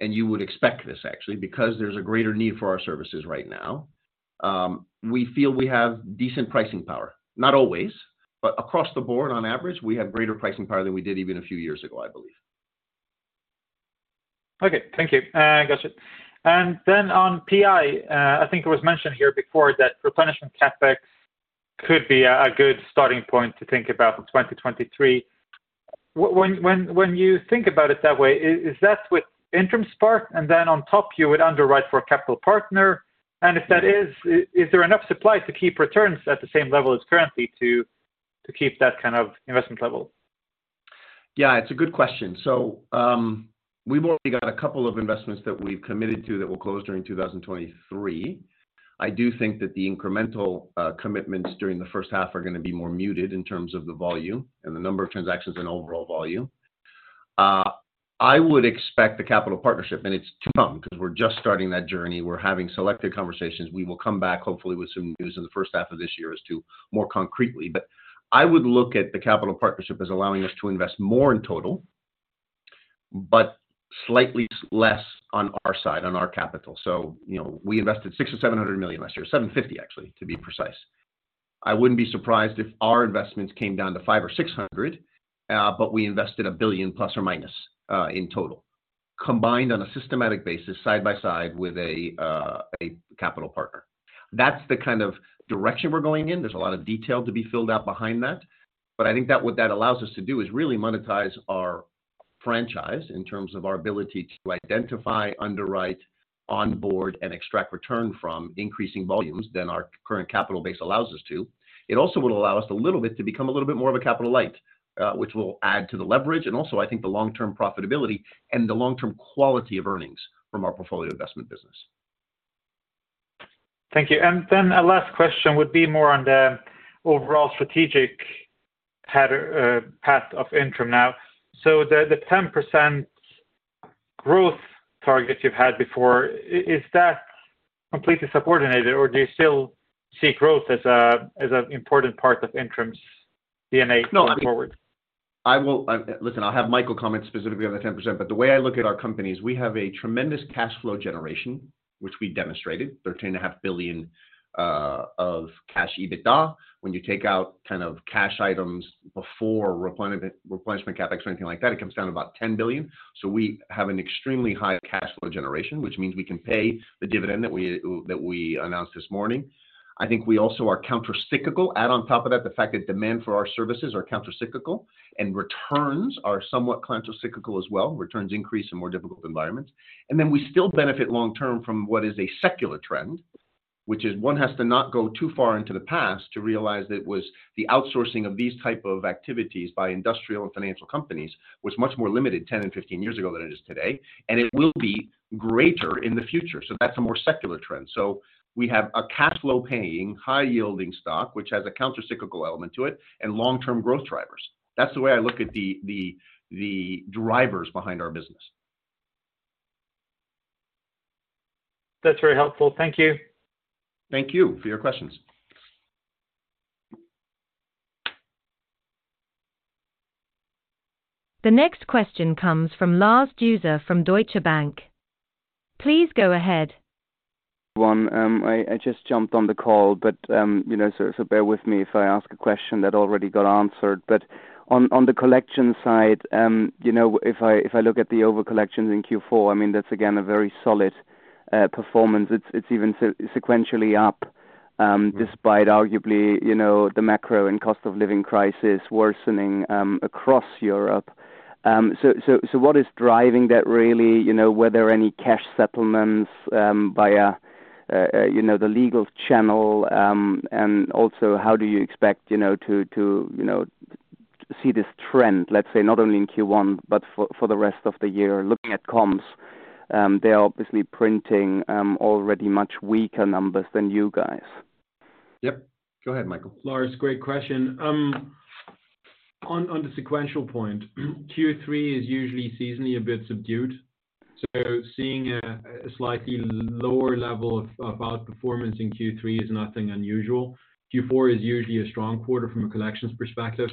and you would expect this actually because there's a greater need for our services right now, we feel we have decent pricing power. Not always, but across the board, on average, we have greater pricing power than we did even a few years ago, I believe. Okay. Thank you. got you. Then on PI, I think it was mentioned here before that Replenishment CapEx could be a good starting point to think about for 2023. When you think about it that way, is that with Intrum Spark and then on top you would underwrite for a capital partner? If that is there enough supply to keep returns at the same level as currently to keep that kind of investment level? Yeah, it's a good question. We've already got a couple of investments that we've committed to that will close during 2023. I do think that the incremental commitments during the first half are going to be more muted in terms of the volume and the number of transactions and overall volume. I would expect the capital partnership, and it's to come 'cause we're just starting that journey. We're having selective conversations. We will come back hopefully with some news in the first half of this year as to more concretely. I would look at the capital partnership as allowing us to invest more in total, but slightly less on our side, on our capital. You know, we invested 600 million-700 million last year, 750 actually, to be precise. I wouldn't be surprised if our investments came down to 500-600, but we invested 1 billion plus or minus in total. Combined on a systematic basis, side by side with a capital partner. That's the kind of direction we're going in. There's a lot of detail to be filled out behind that. I think that what that allows us to do is really monetize our franchise in terms of our ability to identify, underwrite, onboard, and extract return from increasing volumes than our current capital base allows us to. It also would allow us a little bit to become a little bit more of a capital light, which will add to the leverage and also I think the long-term profitability and the long-term quality of earnings from our portfolio investment business. Thank you. A last question would be more on the overall strategic path of Intrum now. The 10% growth target you've had before, is that completely subordinated or do you still seek growth as an important part of Intrum's DNA going forward? No, I mean, listen, I'll have Michael comment specifically on the 10%. The way I look at our company is we have a tremendous cash flow generation, which we demonstrated, 13.5 billion of Cash EBITDA. When you take out kind of cash items before Replenishment CapEx or anything like that, it comes down to about 10 billion. We have an extremely high cash flow generation, which means we can pay the dividend that we announced this morning. I think we also are countercyclical. Add on top of that the fact that demand for our services are countercyclical and returns are somewhat countercyclical as well. Returns increase in more difficult environments. We still benefit long term from what is a secular trend, which is one has to not go too far into the past to realize it was the outsourcing of these type of activities by industrial and financial companies was much more limited 10 and 15 years ago than it is today, and it will be greater in the future. That's a more secular trend. We have a cash flow paying, high yielding stock, which has a countercyclical element to it and long-term growth drivers. That's the way I look at the drivers behind our business. That's very helpful. Thank you. Thank you for your questions. The next question comes from Lars Dueser from Deutsche Bank. Please go ahead. One, I just jumped on the call, you know, bear with me if I ask a question that already got answered. On the collection side, you know, if I look at the over collections in Q4, I mean, that's again a very solid performance. It's even sequentially up, despite arguably, you know, the macro and cost of living crisis worsening across Europe. What is driving that really? You know, were there any cash settlements via, you know, the legal channel? Also how do you expect, you know, to, you know, see this trend, let's say, not only in Q1, but for the rest of the year? Looking at comms, they are obviously printing already much weaker numbers than you guys. Yep. Go ahead, Michael. Lars, great question. On the sequential point, Q3 is usually seasonally a bit subdued, so seeing a slightly lower level of outperformance in Q3 is nothing unusual. Q4 is usually a strong quarter from a collections perspective.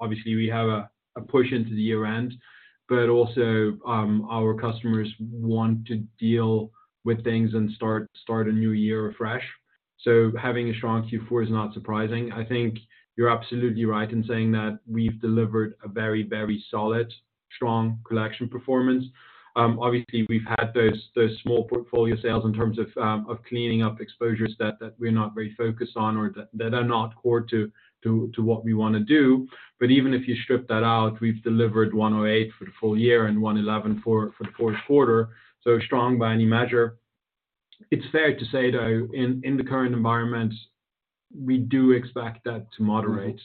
Obviously we have a push into the year-end, but also our customers want to deal with things and start a new year afresh. Having a strong Q4 is not surprising. I think you're absolutely right in saying that we've delivered a very, very solid, strong collection performance. Obviously we've had those small portfolio sales in terms of cleaning up exposures that we're not very focused on or that are not core to what we want to do. Even if you strip that out, we've delivered 108 for the full year and 111 for the fourth quarter, strong by any measure. It's fair to say though, in the current environment, we do expect that to moderate.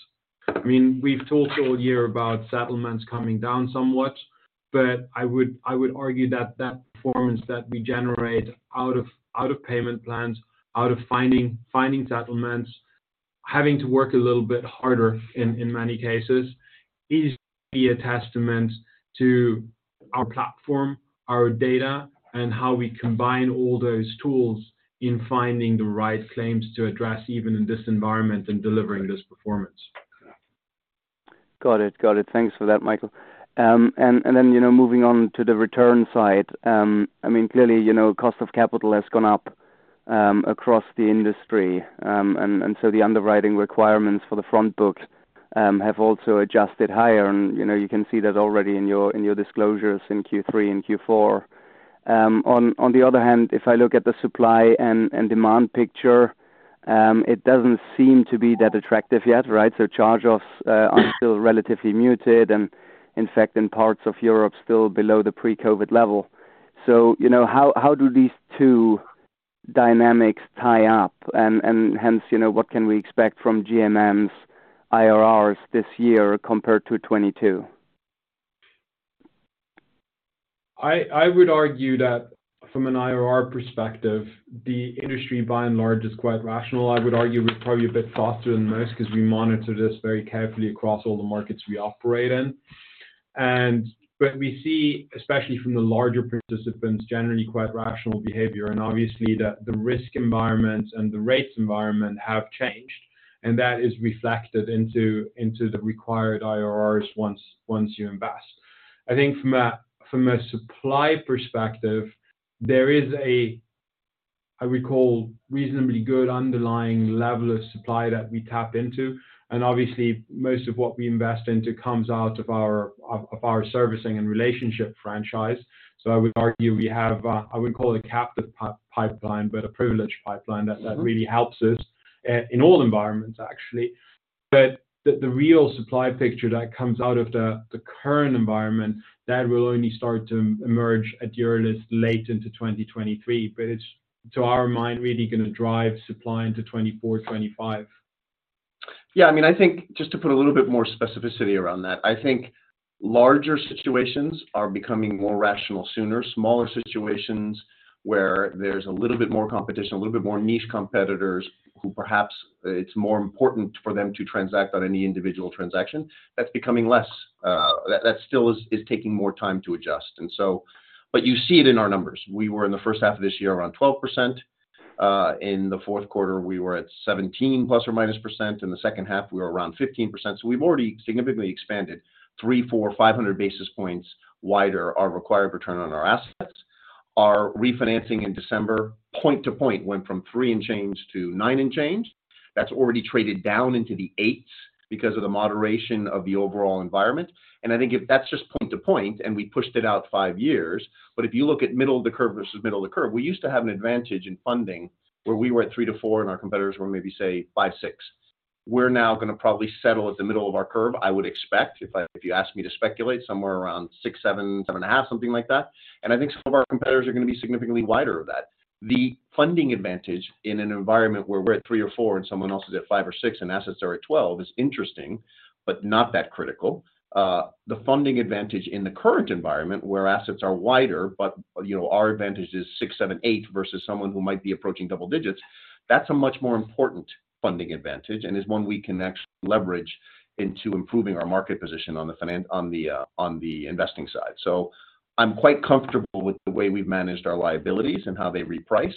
I mean, we've talked all year about settlements coming down somewhat, I would argue that that performance that we generate out of payment plans, out of finding settlements, having to work a little bit harder in many cases is a testament to our platform, our data, and how we combine all those tools in finding the right claims to address even in this environment and delivering this performance. Got it. Thanks for that, Michael. Then, you know, moving on to the return side, I mean, clearly, you know, cost of capital has gone up across the industry. So the underwriting requirements for the front book have also adjusted higher. You know, you can see that already in your, in your disclosures in Q3 and Q4. On the other hand, if I look at the supply and demand picture, it doesn't seem to be that attractive yet, right? So charge-offs are still relatively muted and in fact in parts of Europe still below the pre-COVID level. You know, how do these two dynamics tie up? Hence, you know, what can we expect from GMMs IRRs this year compared to 2022? I would argue that from an IRR perspective, the industry by and large is quite rational. I would argue it's probably a bit faster than most because we monitor this very carefully across all the markets we operate in. We see, especially from the larger participants, generally quite rational behavior, and obviously the risk environment and the rates environment have changed, and that is reflected into the required IRRs once you invest. I think from a from a supply perspective, there is a, I would call reasonably good underlying level of supply that we tap into. Obviously, most of what we invest into comes out of our servicing and relationship franchise. I would argue we have, I wouldn't call it a captive pipeline, but a privileged pipeline that really helps us in all environments, actually. The, the real supply picture that comes out of the current environment, that will only start to emerge at earliest late into 2023. It's, to our mind, really going to drive supply into 2024, 2025. Yeah. I mean, I think just to put a little bit more specificity around that, I think larger situations are becoming more rational sooner. Smaller situations where there's a little bit more competition, a little bit more niche competitors who perhaps it's more important for them to transact on any individual transaction, that's becoming less. That still is taking more time to adjust. You see it in our numbers. We were in the first half of this year around 12%. In the fourth quarter, we were at ±17%. In the second half, we were around 15%. We've already significantly expanded 300-500 basis points wider our required return on our assets. Our refinancing in December, point to point, went from three and change to nine and change. That's already traded down into the 8% because of the moderation of the overall environment. I think if that's just point to point, and we pushed it out five years, but if you look at middle of the curve versus middle of the curve, we used to have an advantage in funding where we were at 3%-4% and our competitors were maybe, say, 5%, 6%. We're now going to probably settle at the middle of our curve, I would expect, if you ask me to speculate, somewhere around 6%, 7%, 7.5%, something like that. I think some of our competitors are going to be significantly wider of that. The funding advantage in an environment where we're at 3% or 4% and someone else is at 5% or 6% and assets are at 12% is interesting but not that critical. The funding advantage in the current environment where assets are wider, but, you know, our advantage is six, seven, eight versus someone who might be approaching double digits, that's a much more important funding advantage and is one we can actually leverage into improving our market position on the on the investing side. I'm quite comfortable with the way we've managed our liabilities and how they reprice,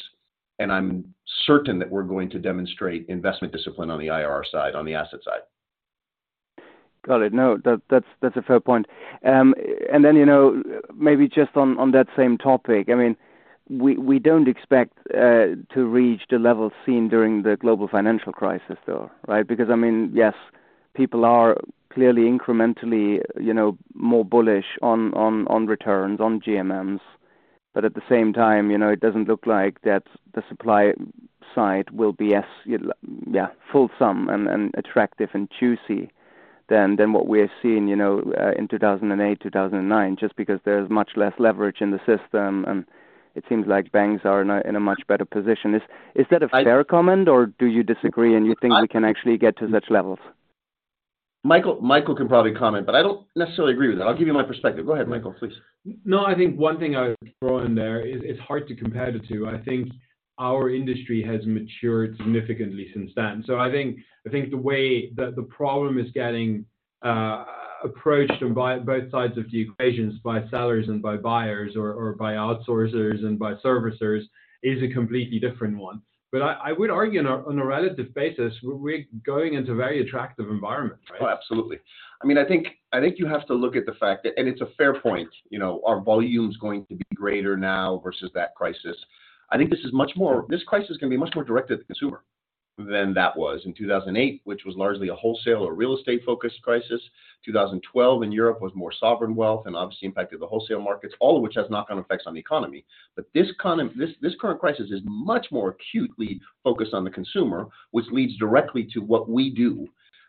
and I'm certain that we're going to demonstrate investment discipline on the IRR side, on the asset side. Got it. That, that's a fair point. You know, maybe just on that same topic, I mean, we don't expect to reach the level seen during the Global Financial Crisis, though, right? I mean, yes, people are clearly incrementally, you know, more bullish on, on returns, on GMMs. At the same time, you know, it doesn't look like that the supply side will be as fulsome and attractive and juicy than what we're seeing, you know, in 2008, 2009, just because there's much less leverage in the system, and it seems like banks are in a, in a much better position. Is, is that a fair comment, or do you disagree and you think we can actually get to such levels? Michael can probably comment, but I don't necessarily agree with that. I'll give you my perspective. Go ahead, Michael, please. I think one thing I would throw in there is it's hard to compare the two. I think our industry has matured significantly since then. I think the way that the problem is getting approached on by both sides of the equations by sellers and by buyers or by outsourcers and by servicers is a completely different one. I would argue on a relative basis, we're going into a very attractive environment, right? Oh, absolutely. I mean, I think you have to look at the fact that. It's a fair point. You know, are volumes going to be greater now versus that crisis? This crisis can be much more directed at the consumer than that was. In 2008, which was largely a wholesale or real estate-focused crisis. 2012 in Europe was more sovereign wealth and obviously impacted the wholesale markets, all of which has knock-on effects on the economy. This current crisis is much more acutely focused on the consumer, which leads directly to what we do.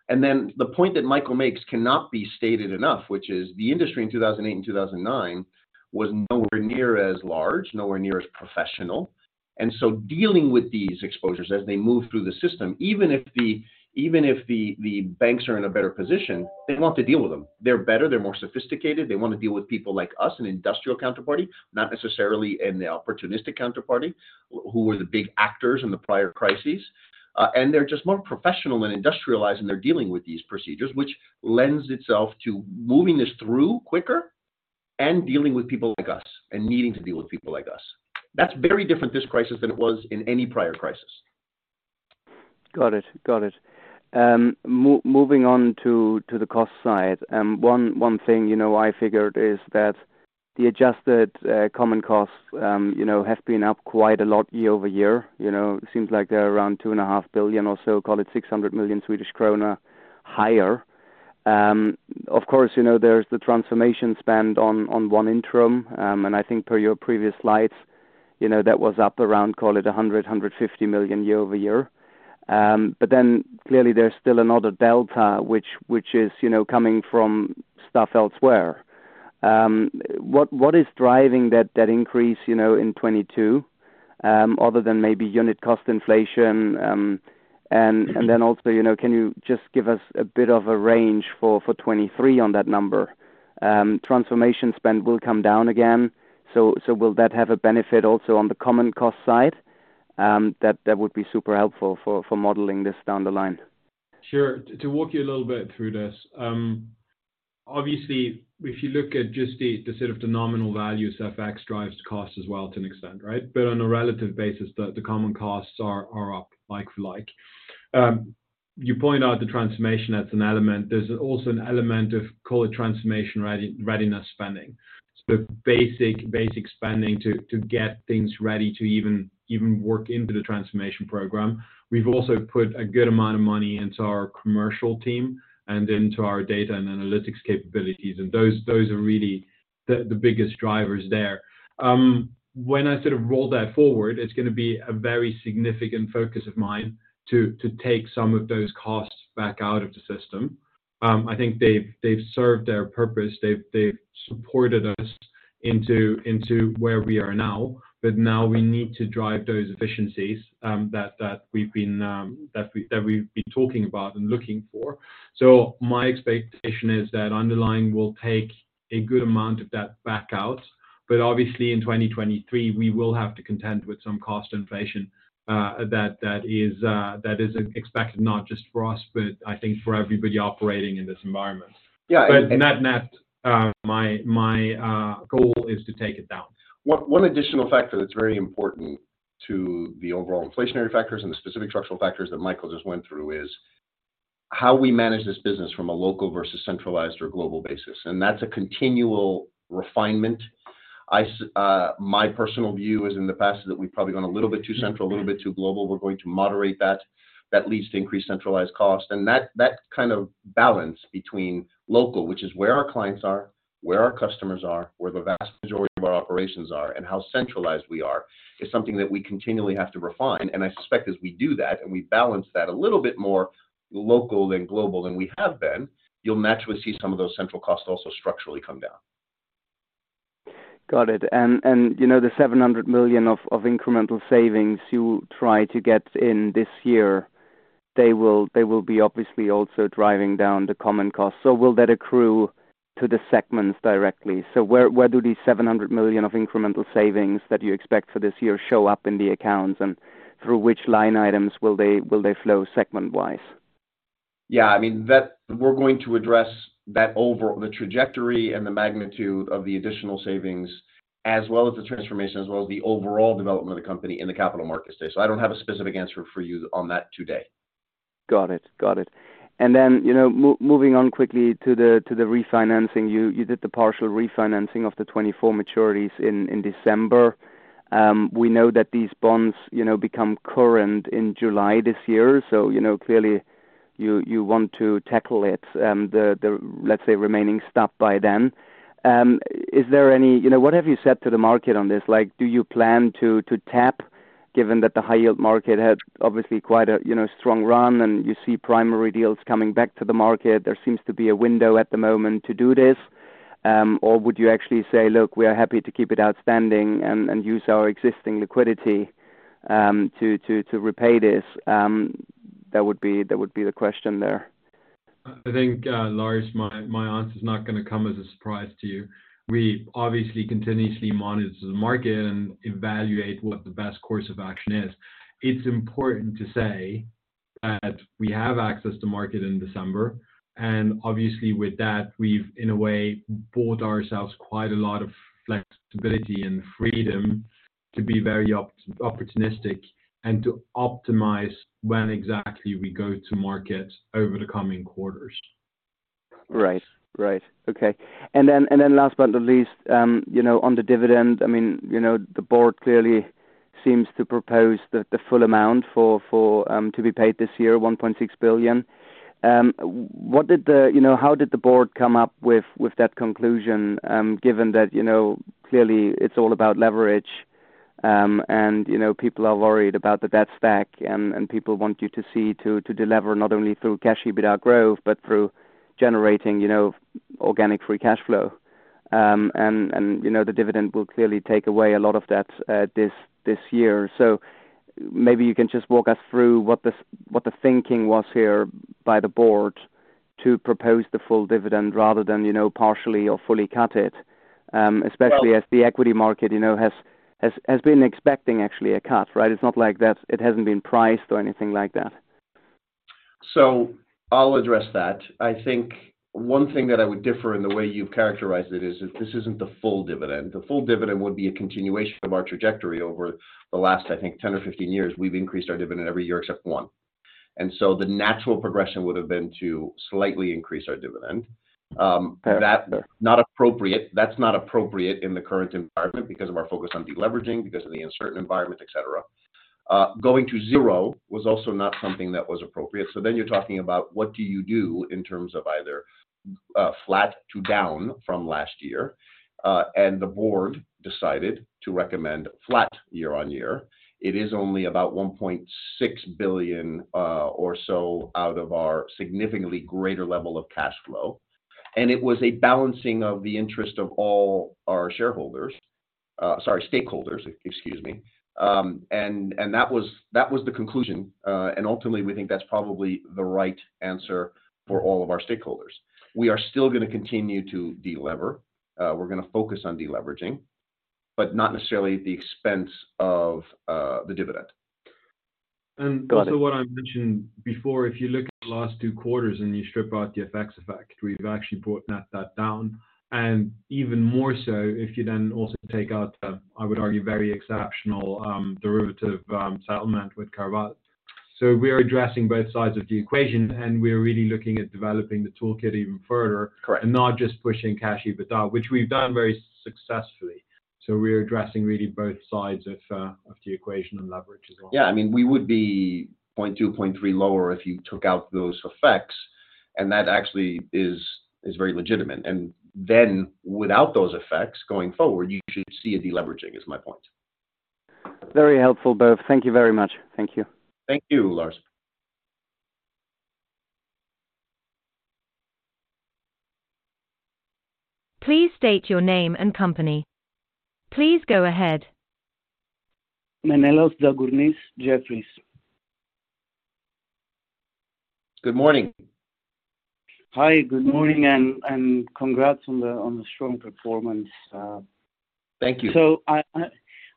The point that Michael makes cannot be stated enough, which is the industry in 2008 and 2009 was nowhere near as large, nowhere near as professional. Dealing with these exposures as they move through the system, even if the banks are in a better position, they want to deal with them. They're better. They're more sophisticated. They want to deal with people like us, an industrial counterparty, not necessarily an opportunistic counterparty, who were the big actors in the prior crises. They're just more professional and industrialized, and they're dealing with these procedures, which lends itself to moving this through quicker and dealing with people like us and needing to deal with people like us. That's very different this crisis than it was in any prior crisis. Got it. Got it. Moving on to the cost side. One thing, you know, I figured is that the adjusted common costs, you know, have been up quite a lot year over year. You know, it seems like they're around 2.5 billion or so, call it 600 million Swedish krona higher. Of course, you know, there's the transformation spend on ONE Intrum. And I think per your previous slides, you know, that was up around, call it 100 million-150 million year over year. Clearly there's still another delta which is, you know, coming from stuff elsewhere. What is driving that increase, you know, in 2022, other than maybe unit cost inflation? And then also, you know, can you just give us a bit of a range for 2023 on that number? Transformation spend will come down again. Will that have a benefit also on the common cost side? That would be super helpful for modeling this down the line. Sure. To walk you a little bit through this, obviously if you look at just the sort of the nominal values, FX drives costs as well to an extent, right? On a relative basis, the common costs are up like for like. You point out the transformation. That's an element. There's also an element of call it transformation read-readiness spending. Basic spending to get things ready to even work into the transformation program. We've also put a good amount of money into our commercial team and into our data and analytics capabilities. Those are really the biggest drivers there. When I sort of roll that forward, it's going to be a very significant focus of mine to take some of those costs back out of the system. I think they've served their purpose. They've supported us into where we are now, but now we need to drive those efficiencies that we've been talking about and looking for. My expectation is that underlying will take a good amount of that back out, but obviously in 2023 we will have to contend with some cost inflation that is expected not just for us, but I think for everybody operating in this environment. Yeah. Net, my goal is to take it down. One additional factor that's very important to the overall inflationary factors and the specific structural factors that Michael just went through is how we manage this business from a local versus centralized or global basis, and that's a continual refinement. My personal view is in the past that we've probably gone a little bit too central, a little bit too global. We're going to moderate that. That leads to increased centralized cost. That kind of balance between local, which is where our clients are, where our customers are, where the vast majority of our operations are, and how centralized we are, is something that we continually have to refine. I suspect as we do that and we balance that a little bit more local than global than we have been, you'll naturally see some of those central costs also structurally come down. Got it. You know the 700 million of incremental savings you try to get in this year, they will be obviously also driving down the common costs. Will that accrue to the segments directly? Where do these 700 million of incremental savings that you expect for this year show up in the accounts, and through which line items will they flow segment-wise? Yeah. I mean, we're going to address that overall the trajectory and the magnitude of the additional savings as well as the transformation, as well as the overall development of the company in the Capital Markets Day. I don't have a specific answer for you on that today. Got it. Got it. Then, you know, moving on quickly to the refinancing, you did the partial refinancing of the 2024 maturities in December. We know that these bonds, you know, become current in July this year, so, you know, clearly you want to tackle it, the, let's say, remaining stuff by then. What have you said to the market on this? Like, do you plan to tap, given that the high yield market had obviously quite a, you know, strong run, and you see primary deals coming back to the market. There seems to be a window at the moment to do this. Would you actually say, "Look, we are happy to keep it outstanding and use our existing liquidity, to repay this?" That would be the question there. I think, Lars, my answer is not going to come as a surprise to you. We obviously continuously monitor the market and evaluate what the best course of action is. It's important to say that we have access to market in December, and obviously with that we've, in a way, bought ourselves quite a lot of flexibility and freedom to be very opportunistic and to optimize when exactly we go to market over the coming quarters. Right. Right. Okay. Last but not least, you know, on the dividend, I mean, you know, the board clearly seems to propose the full amount for to be paid this year, 1.6 billion. You know, how did the board come up with that conclusion, given that, you know, clearly it's all about leverage, and, you know, people are worried about the debt stack, and people want you to delever not only through Cash EBITDA growth but through generating, you know, organic free cash flow. You know, the dividend will clearly take away a lot of that this year. Maybe you can just walk us through what the thinking was here by the board to propose the full dividend rather than, you know, partially or fully cut it, especially as the equity market, you know, has been expecting actually a cut, right? It's not like that it hasn't been priced or anything like that. I'll address that. I think one thing that I would differ in the way you've characterized it is this isn't the full dividend. The full dividend would be a continuation of our trajectory over the last, I think, 10 or 15 years. We've increased our dividend every year except one. The natural progression would have been to slightly increase our dividend. Sure Not appropriate. That's not appropriate in the current environment because of our focus on deleveraging, because of the uncertain environment, et cetera. Going to zero was also not something that was appropriate. You're talking about what do you do in terms of either, flat to down from last year, and the board decided to recommend flat year on year. It is only about 1.6 billion or so out of our significantly greater level of cash flow. It was a balancing of the interest of all our shareholders, sorry, stakeholders, excuse me. That was, that was the conclusion, and ultimately, we think that's probably the right answer for all of our stakeholders. We are still going to continue to delever. We're going to focus on deleveraging, but not necessarily at the expense of the dividend. What I mentioned before, if you look at the last two quarters and you strip out the FX effect, we've actually brought that down. If you then also take out the, I would argue, very exceptional derivative settlement with CarVal. We are addressing both sides of the equation, and we're really looking at developing the toolkit even further. Correct. Not just pushing Cash EBITDA, which we've done very successfully. We're addressing really both sides of the equation and leverage as well. Yeah. I mean, we would be 0.2, 0.3 lower if you took out those effects, and that actually is very legitimate. Without those effects going forward, you should see a deleveraging is my point. Very helpful, both. Thank you very much. Thank you. Thank you, Lars. Please state your name and company. Please go ahead. Menelaos Tzagkournis, Jefferies. Good morning. Hi, good morning and congrats on the strong performance. Thank you.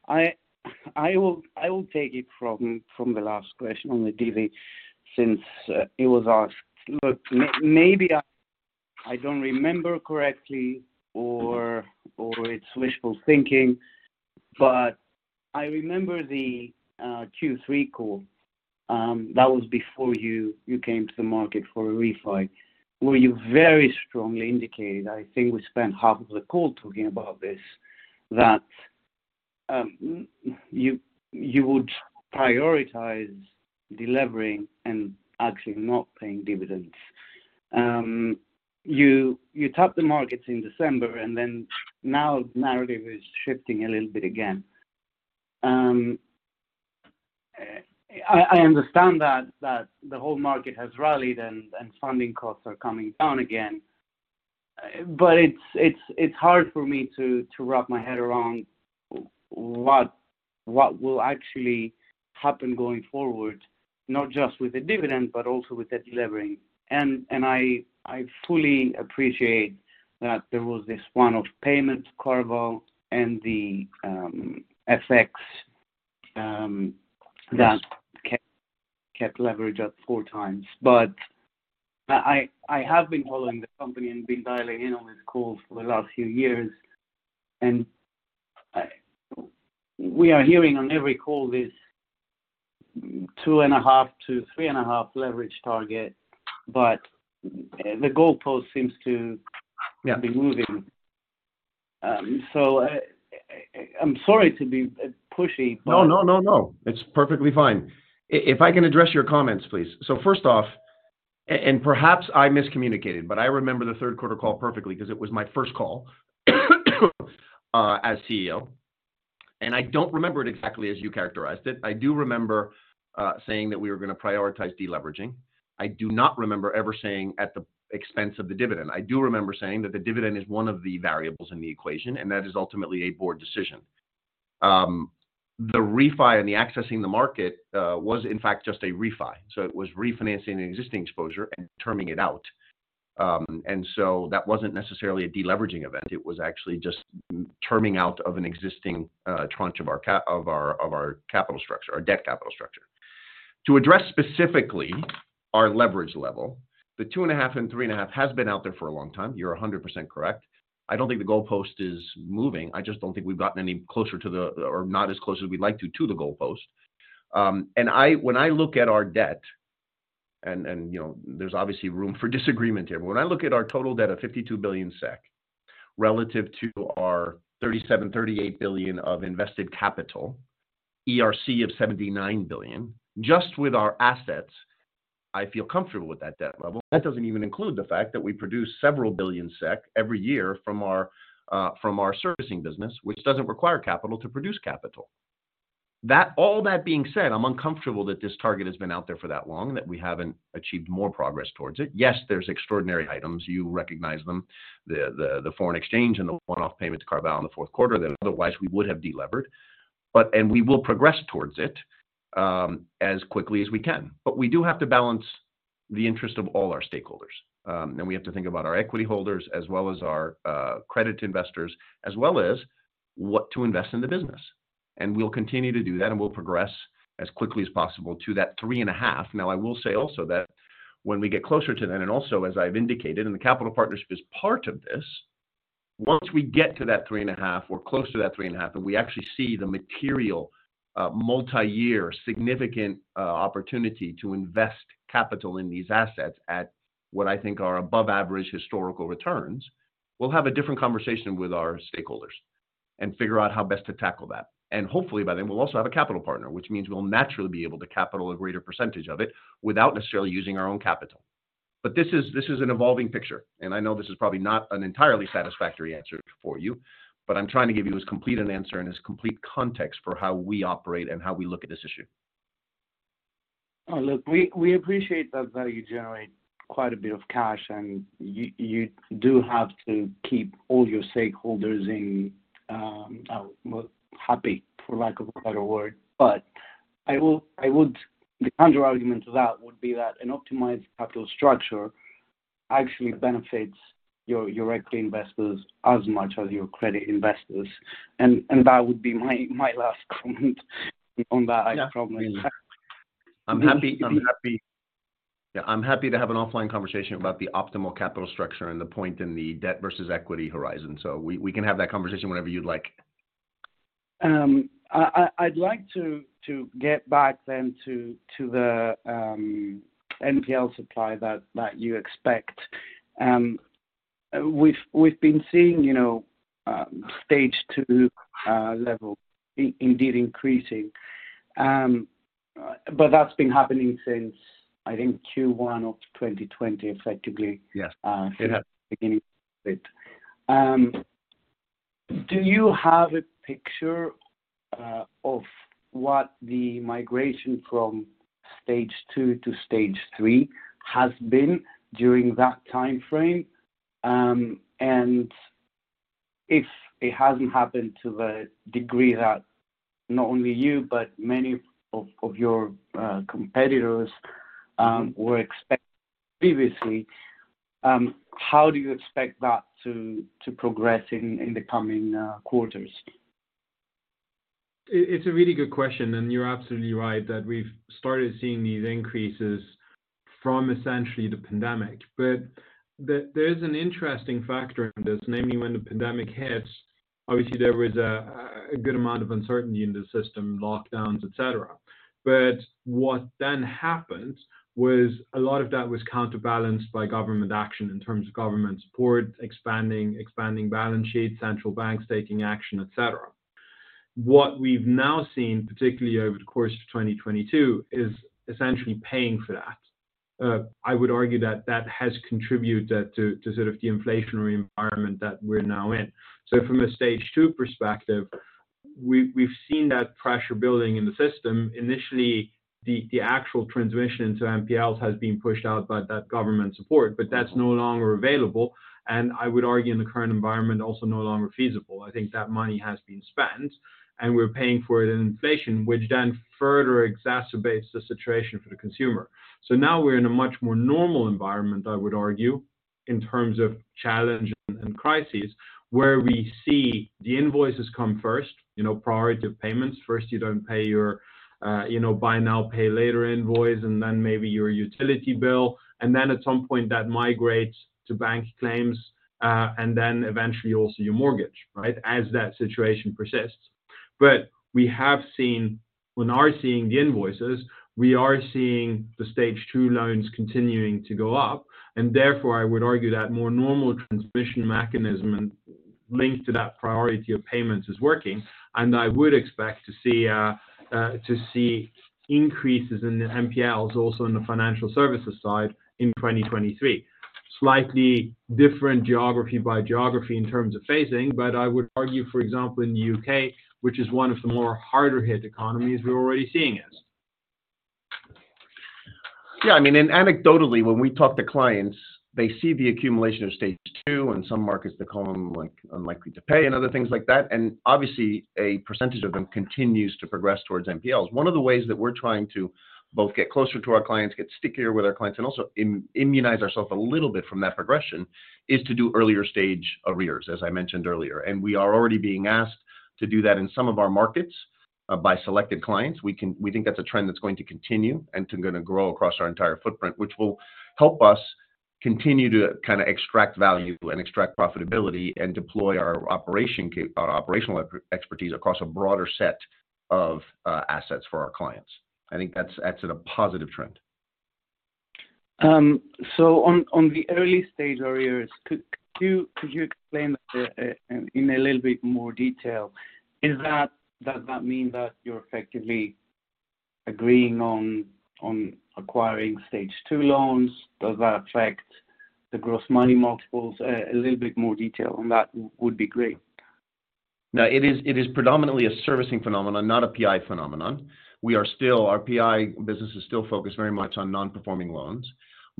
I will take it from the last question on the DV since it was asked. Look, maybe I don't remember correctly or it's wishful thinking, but I remember the Q3 call that was before you came to the market for a refi, where you very strongly indicated, I think we spent half of the call talking about this, that you would prioritize delevering and actually not paying dividends. You tapped the markets in December, now the narrative is shifting a little bit again. I understand that the whole market has rallied and funding costs are coming down again. It's hard for me to wrap my head around what will actually happen going forward, not just with the dividend, but also with the delevering. I fully appreciate that there was this one-off payment to CarVal and the FX that kept leverage at 4x. I have been following the company and been dialing in on these calls for the last few years, and we are hearing on every call this two and a half to three and a half leverage target, but the goalpost seems to be moving. I'm sorry to be pushy, but No, no, no. It's perfectly fine. If I can address your comments, please. First off, and perhaps I miscommunicated, but I remember the third quarter call perfectly because it was my first call as CEO, and I don't remember it exactly as you characterized it. I do remember saying that we were going to prioritize deleveraging. I do not remember ever saying at the expense of the dividend. I do remember saying that the dividend is one of the variables in the equation, and that is ultimately a board decision. The refi and the accessing the market was in fact just a refi. It was refinancing an existing exposure and terming it out. That wasn't necessarily a deleveraging event. It was actually just terming out of an existing tranche of our capital structure or debt capital structure. To address specifically our leverage level, the two and a half and three and a half has been out there for a long time. You're 100% correct. I don't think the goalpost is moving. I just don't think we've gotten any closer to the... or not as close as we'd like to the goalpost. You know, when I look at our debt, there's obviously room for disagreement here, but when I look at our total debt of 52 billion SEK relative to our 37 billion-38 billion of invested capital, ERC of 79 billion, just with our assets, I feel comfortable with that debt level. That doesn't even include the fact that we produce several billion SEK every year from our from our servicing business, which doesn't require capital to produce capital. All that being said, I'm uncomfortable that this target has been out there for that long, that we haven't achieved more progress towards it. Yes, there's extraordinary items. You recognize them, the foreign exchange and the one-off payment to CarVal in the fourth quarter that otherwise we would have delevered. We will progress towards it as quickly as we can. We do have to balance the interest of all our stakeholders. We have to think about our equity holders as well as our credit investors, as well as what to invest in the business. We'll continue to do that, and we'll progress as quickly as possible to that three and a half. I will say also that when we get closer to that, and also as I've indicated, and the capital partnership is part of this, once we get to that three and a half or close to that three and a half, and we actually see the material, multi-year significant, opportunity to invest capital in these assets at what I think are above average historical returns, we'll have a different conversation with our stakeholders and figure out how best to tackle that. Hopefully by then, we'll also have a capital partner, which means we'll naturally be able to capital a greater percentage of it without necessarily using our own capital. This is an evolving picture, and I know this is probably not an entirely satisfactory answer for you, but I'm trying to give you as complete an answer and as complete context for how we operate and how we look at this issue. Oh, look, we appreciate that you generate quite a bit of cash, and you do have to keep all your stakeholders in, well, happy, for lack of a better word. I would. The counterargument to that would be that an optimized capital structure actually benefits your equity investors as much as your credit investors. That would be my last comment on that. I promise. Yeah, I'm happy to have an offline conversation about the optimal capital structure and the point in the debt versus equity horizon. We can have that conversation whenever you'd like. I'd like to get back then to the NPL supply that you expect. We've been seeing, you know, Stage 2 level indeed increasing. That's been happening since, I think, Q1 of 2020. Yes. It has... since the beginning of it. Do you have a picture of what the migration from Stage 2 to Stage 3 has been during that timeframe? If it hasn't happened to the degree that not only you but many of your competitors were expecting previously, how do you expect that to progress in the coming quarters? It's a really good question, and you're absolutely right that we've started seeing these increases from essentially the pandemic. There's an interesting factor in this, namely when the pandemic hit, obviously there was a good amount of uncertainty in the system, lockdowns, et cetera. What then happened was a lot of that was counterbalanced by government action in terms of government support, expanding balance sheets, central banks taking action, et cetera. What we've now seen, particularly over the course of 2022, is essentially paying for that. I would argue that that has contributed to sort of the inflationary environment that we're now in. From a Stage 2 perspective, we've seen that pressure building in the system. Initially, the actual transmission to NPLs has been pushed out by that government support, but that's no longer available, and I would argue in the current environment also no longer feasible. I think that money has been spent, and we're paying for it in inflation, which then further exacerbates the situation for the consumer. Now we're in a much more normal environment, I would argue, in terms of challenge and crises, where we see the invoices come first, you know, priority of payments. First you don't pay your, you know, Buy Now, Pay Later invoice and then maybe your utility bill, and then at some point that migrates to bank claims, and then eventually also your mortgage, right? As that situation persists. We have seen. We now are seeing the invoices. We are seeing the Stage 2 loans continuing to go up, and therefore I would argue that more normal transmission mechanism linked to that priority of payments is working. I would expect to see increases in the NPLs also in the financial services side in 2023. Slightly different geography by geography in terms of phasing, but I would argue, for example, in the UK, which is one of the more harder-hit economies, we're already seeing it. Yeah, I mean, and anecdotally, when we talk to clients, they see the accumulation of Stage 2. In some markets, they call them, like, unlikely-to-pay and other things like that. Obviously a percentage of them continues to progress towards NPLs. One of the ways that we're trying to both get closer to our clients, get stickier with our clients, and also immunize ourselves a little bit from that progression is to do earlier stage arrears, as I mentioned earlier. We are already being asked to do that in some of our markets by selected clients. We think that's a trend that's going to continue and going to grow across our entire footprint, which will help us continue to kind of extract value and extract profitability and deploy our operational expertise across a broader set of assets for our clients. I think that's a positive trend. On the early stage arrears, could you explain that in a little bit more detail? Does that mean that you're effectively agreeing on acquiring Stage 2 loans? Does that affect the Gross Money Multiples? A little bit more detail on that would be great. No, it is predominantly a servicing phenomenon, not a PI phenomenon. Our PI business is still focused very much on non-performing loans.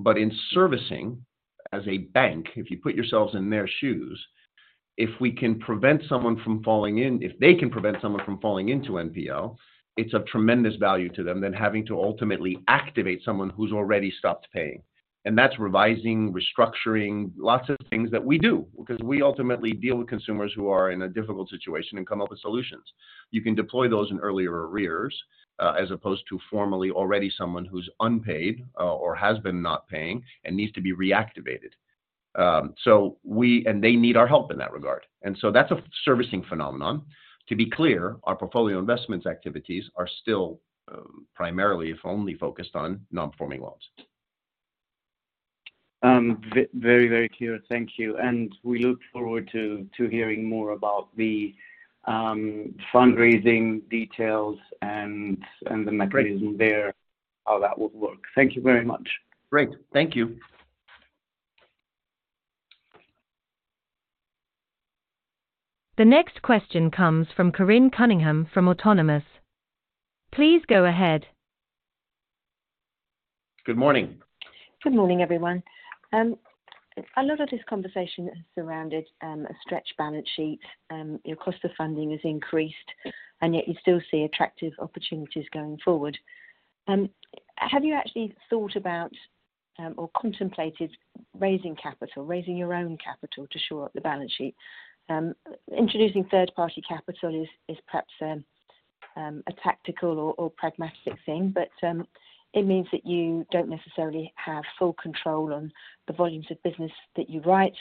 In servicing, as a bank, if you put yourselves in their shoes, if they can prevent someone from falling into NPL, it's of tremendous value to them than having to ultimately activate someone who's already stopped paying. That's revising, restructuring, lots of things that we do because we ultimately deal with consumers who are in a difficult situation and come up with solutions. You can deploy those in earlier arrears, as opposed to formally already someone who's unpaid, or has been not paying and needs to be reactivated. They need our help in that regard. That's a servicing phenomenon. To be clear, our portfolio investments activities are still primarily, if only, focused on non-performing loans. Very, very clear. Thank you. We look forward to hearing more about the fundraising details and the mechanism. Great... how that would work. Thank you very much. Great. Thank you. The next question comes from Corinne Cunningham from Autonomous. Please go ahead. Good morning. Good morning, everyone. A lot of this conversation has surrounded a stretch balance sheet. Your cost of funding has increased, yet you still see attractive opportunities going forward. Have you actually thought about or contemplated raising capital, raising your own capital to shore up the balance sheet? Introducing third-party capital is perhaps a tactical or pragmatic thing, but it means that you don't necessarily have full control on the volumes of business that you write.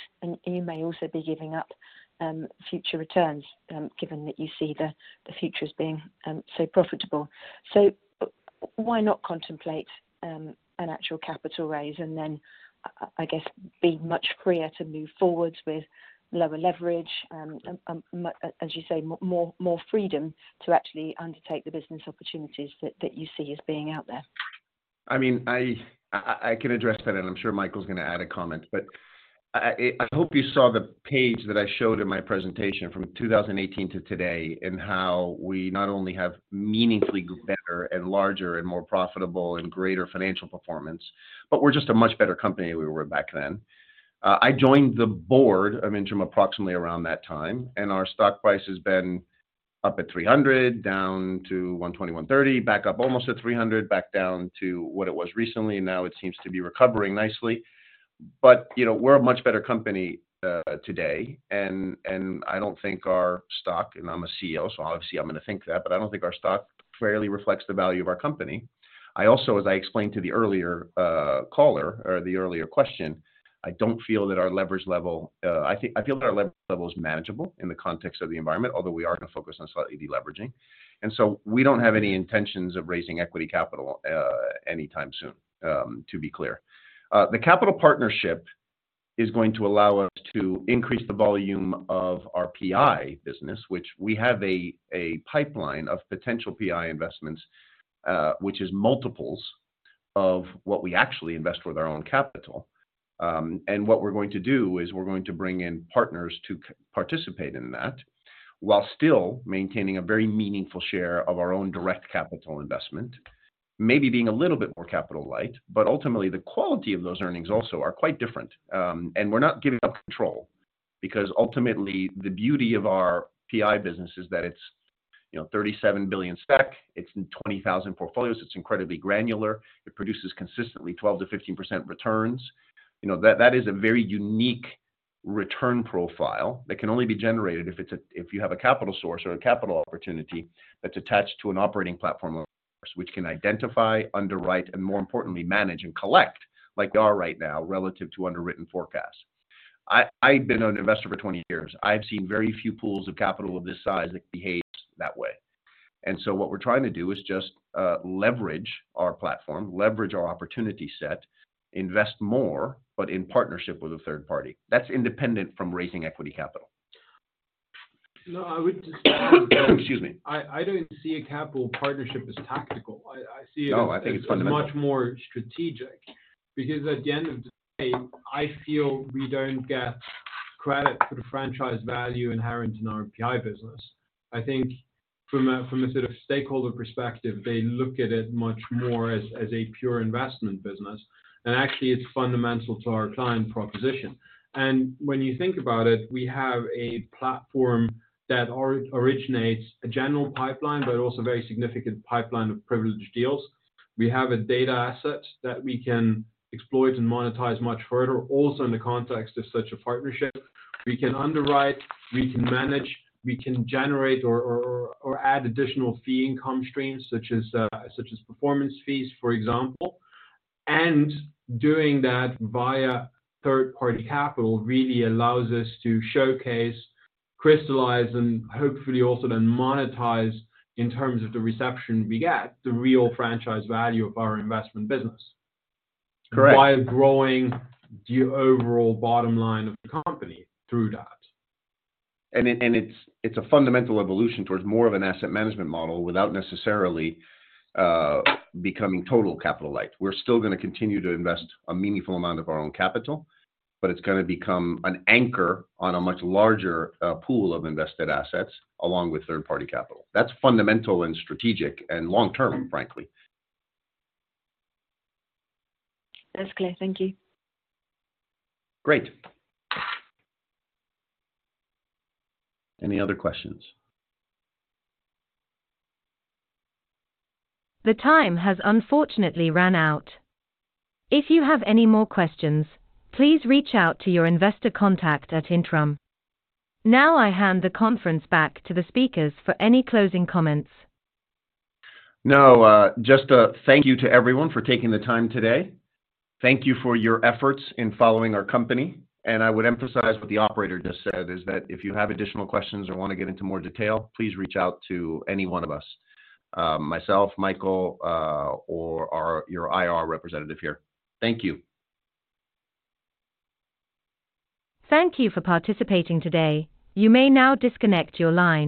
You may also be giving up future returns, given that you see the future as being so profitable. Why not contemplate an actual capital raise and then I guess, be much freer to move forwards with lower leverage, as you say, more freedom to actually undertake the business opportunities that you see as being out there? I mean, I can address that, and I'm sure Michael's going to add a comment. I hope you saw the page that I showed in my presentation from 2018 to today and how we not only have meaningfully better and larger and more profitable and greater financial performance, but we're just a much better company than we were back then. I joined the board of Intrum approximately around that time, and our stock price has been up at 300, down to 120, 130, back up almost at 300, back down to what it was recently. Now it seems to be recovering nicely. You know, we're a much better company today. I don't think our stock, and I'm a CEO, so obviously I'm going to think that, but I don't think our stock fairly reflects the value of our company. I also, as I explained to the earlier caller or the earlier question, I feel that our leverage level is manageable in the context of the environment, although we are going to focus on slightly de-leveraging. We don't have any intentions of raising equity capital anytime soon, to be clear. The capital partnership is going to allow us to increase the volume of our PI business, which we have a pipeline of potential PI investments, which is multiples of what we actually invest with our own capital. What we're going to do is we're going to bring in partners to participate in that while still maintaining a very meaningful share of our own direct capital investment. Maybe being a little bit more capital light, ultimately the quality of those earnings also are quite different. We're not giving up control because ultimately the beauty of our PI business is that it's, you know, 37 billion SEK. It's in 20,000 portfolios. It's incredibly granular. It produces consistently 12%-15% returns. You know, that is a very unique return profile that can only be generated if you have a capital source or a capital opportunity that's attached to an operating platform, of course, which can identify, underwrite, and more importantly, manage and collect like we are right now relative to underwritten forecasts. I've been an investor for 20 years. I've seen very few pools of capital of this size that behaves that way. What we're trying to do is just leverage our platform, leverage our opportunity set, invest more, but in partnership with a third party. That's independent from raising equity capital. No, I would just add that. Excuse me. I don't see a capital partnership as tactical. I see it. No, I think it's fundamental.... much more strategic. At the end of the day, I feel we don't get credit for the franchise value inherent in our PI business. I think from a sort of stakeholder perspective, they look at it much more as a pure investment business. Actually it's fundamental to our client proposition. When you think about it, we have a platform that originates a general pipeline, but also a very significant pipeline of privileged deals. We have a data asset that we can exploit and monetize much further. Also, in the context of such a partnership, we can underwrite, we can manage, we can generate or add additional fee income streams such as performance fees, for example. Doing that via third-party capital really allows us to showcase, crystallize, and hopefully also then monetize in terms of the reception we get, the real franchise value of our investment business. Correct. While growing the overall bottom line of the company through that. It's a fundamental evolution towards more of an asset management model without necessarily becoming total capital light. We're still going to continue to invest a meaningful amount of our own capital, but it's going to become an anchor on a much larger pool of invested assets along with third-party capital. That's fundamental and strategic and long term, frankly. That's clear. Thank you. Great. Any other questions? The time has unfortunately run out. If you have any more questions, please reach out to your investor contact at Intrum. I hand the conference back to the speakers for any closing comments. No, just a thank you to everyone for taking the time today. Thank you for your efforts in following our company. I would emphasize what the operator just said, is that if you have additional questions or want to get into more detail, please reach out to any one of us, myself, Michael, or your IR representative here. Thank you. Thank you for participating today. You may now disconnect your line.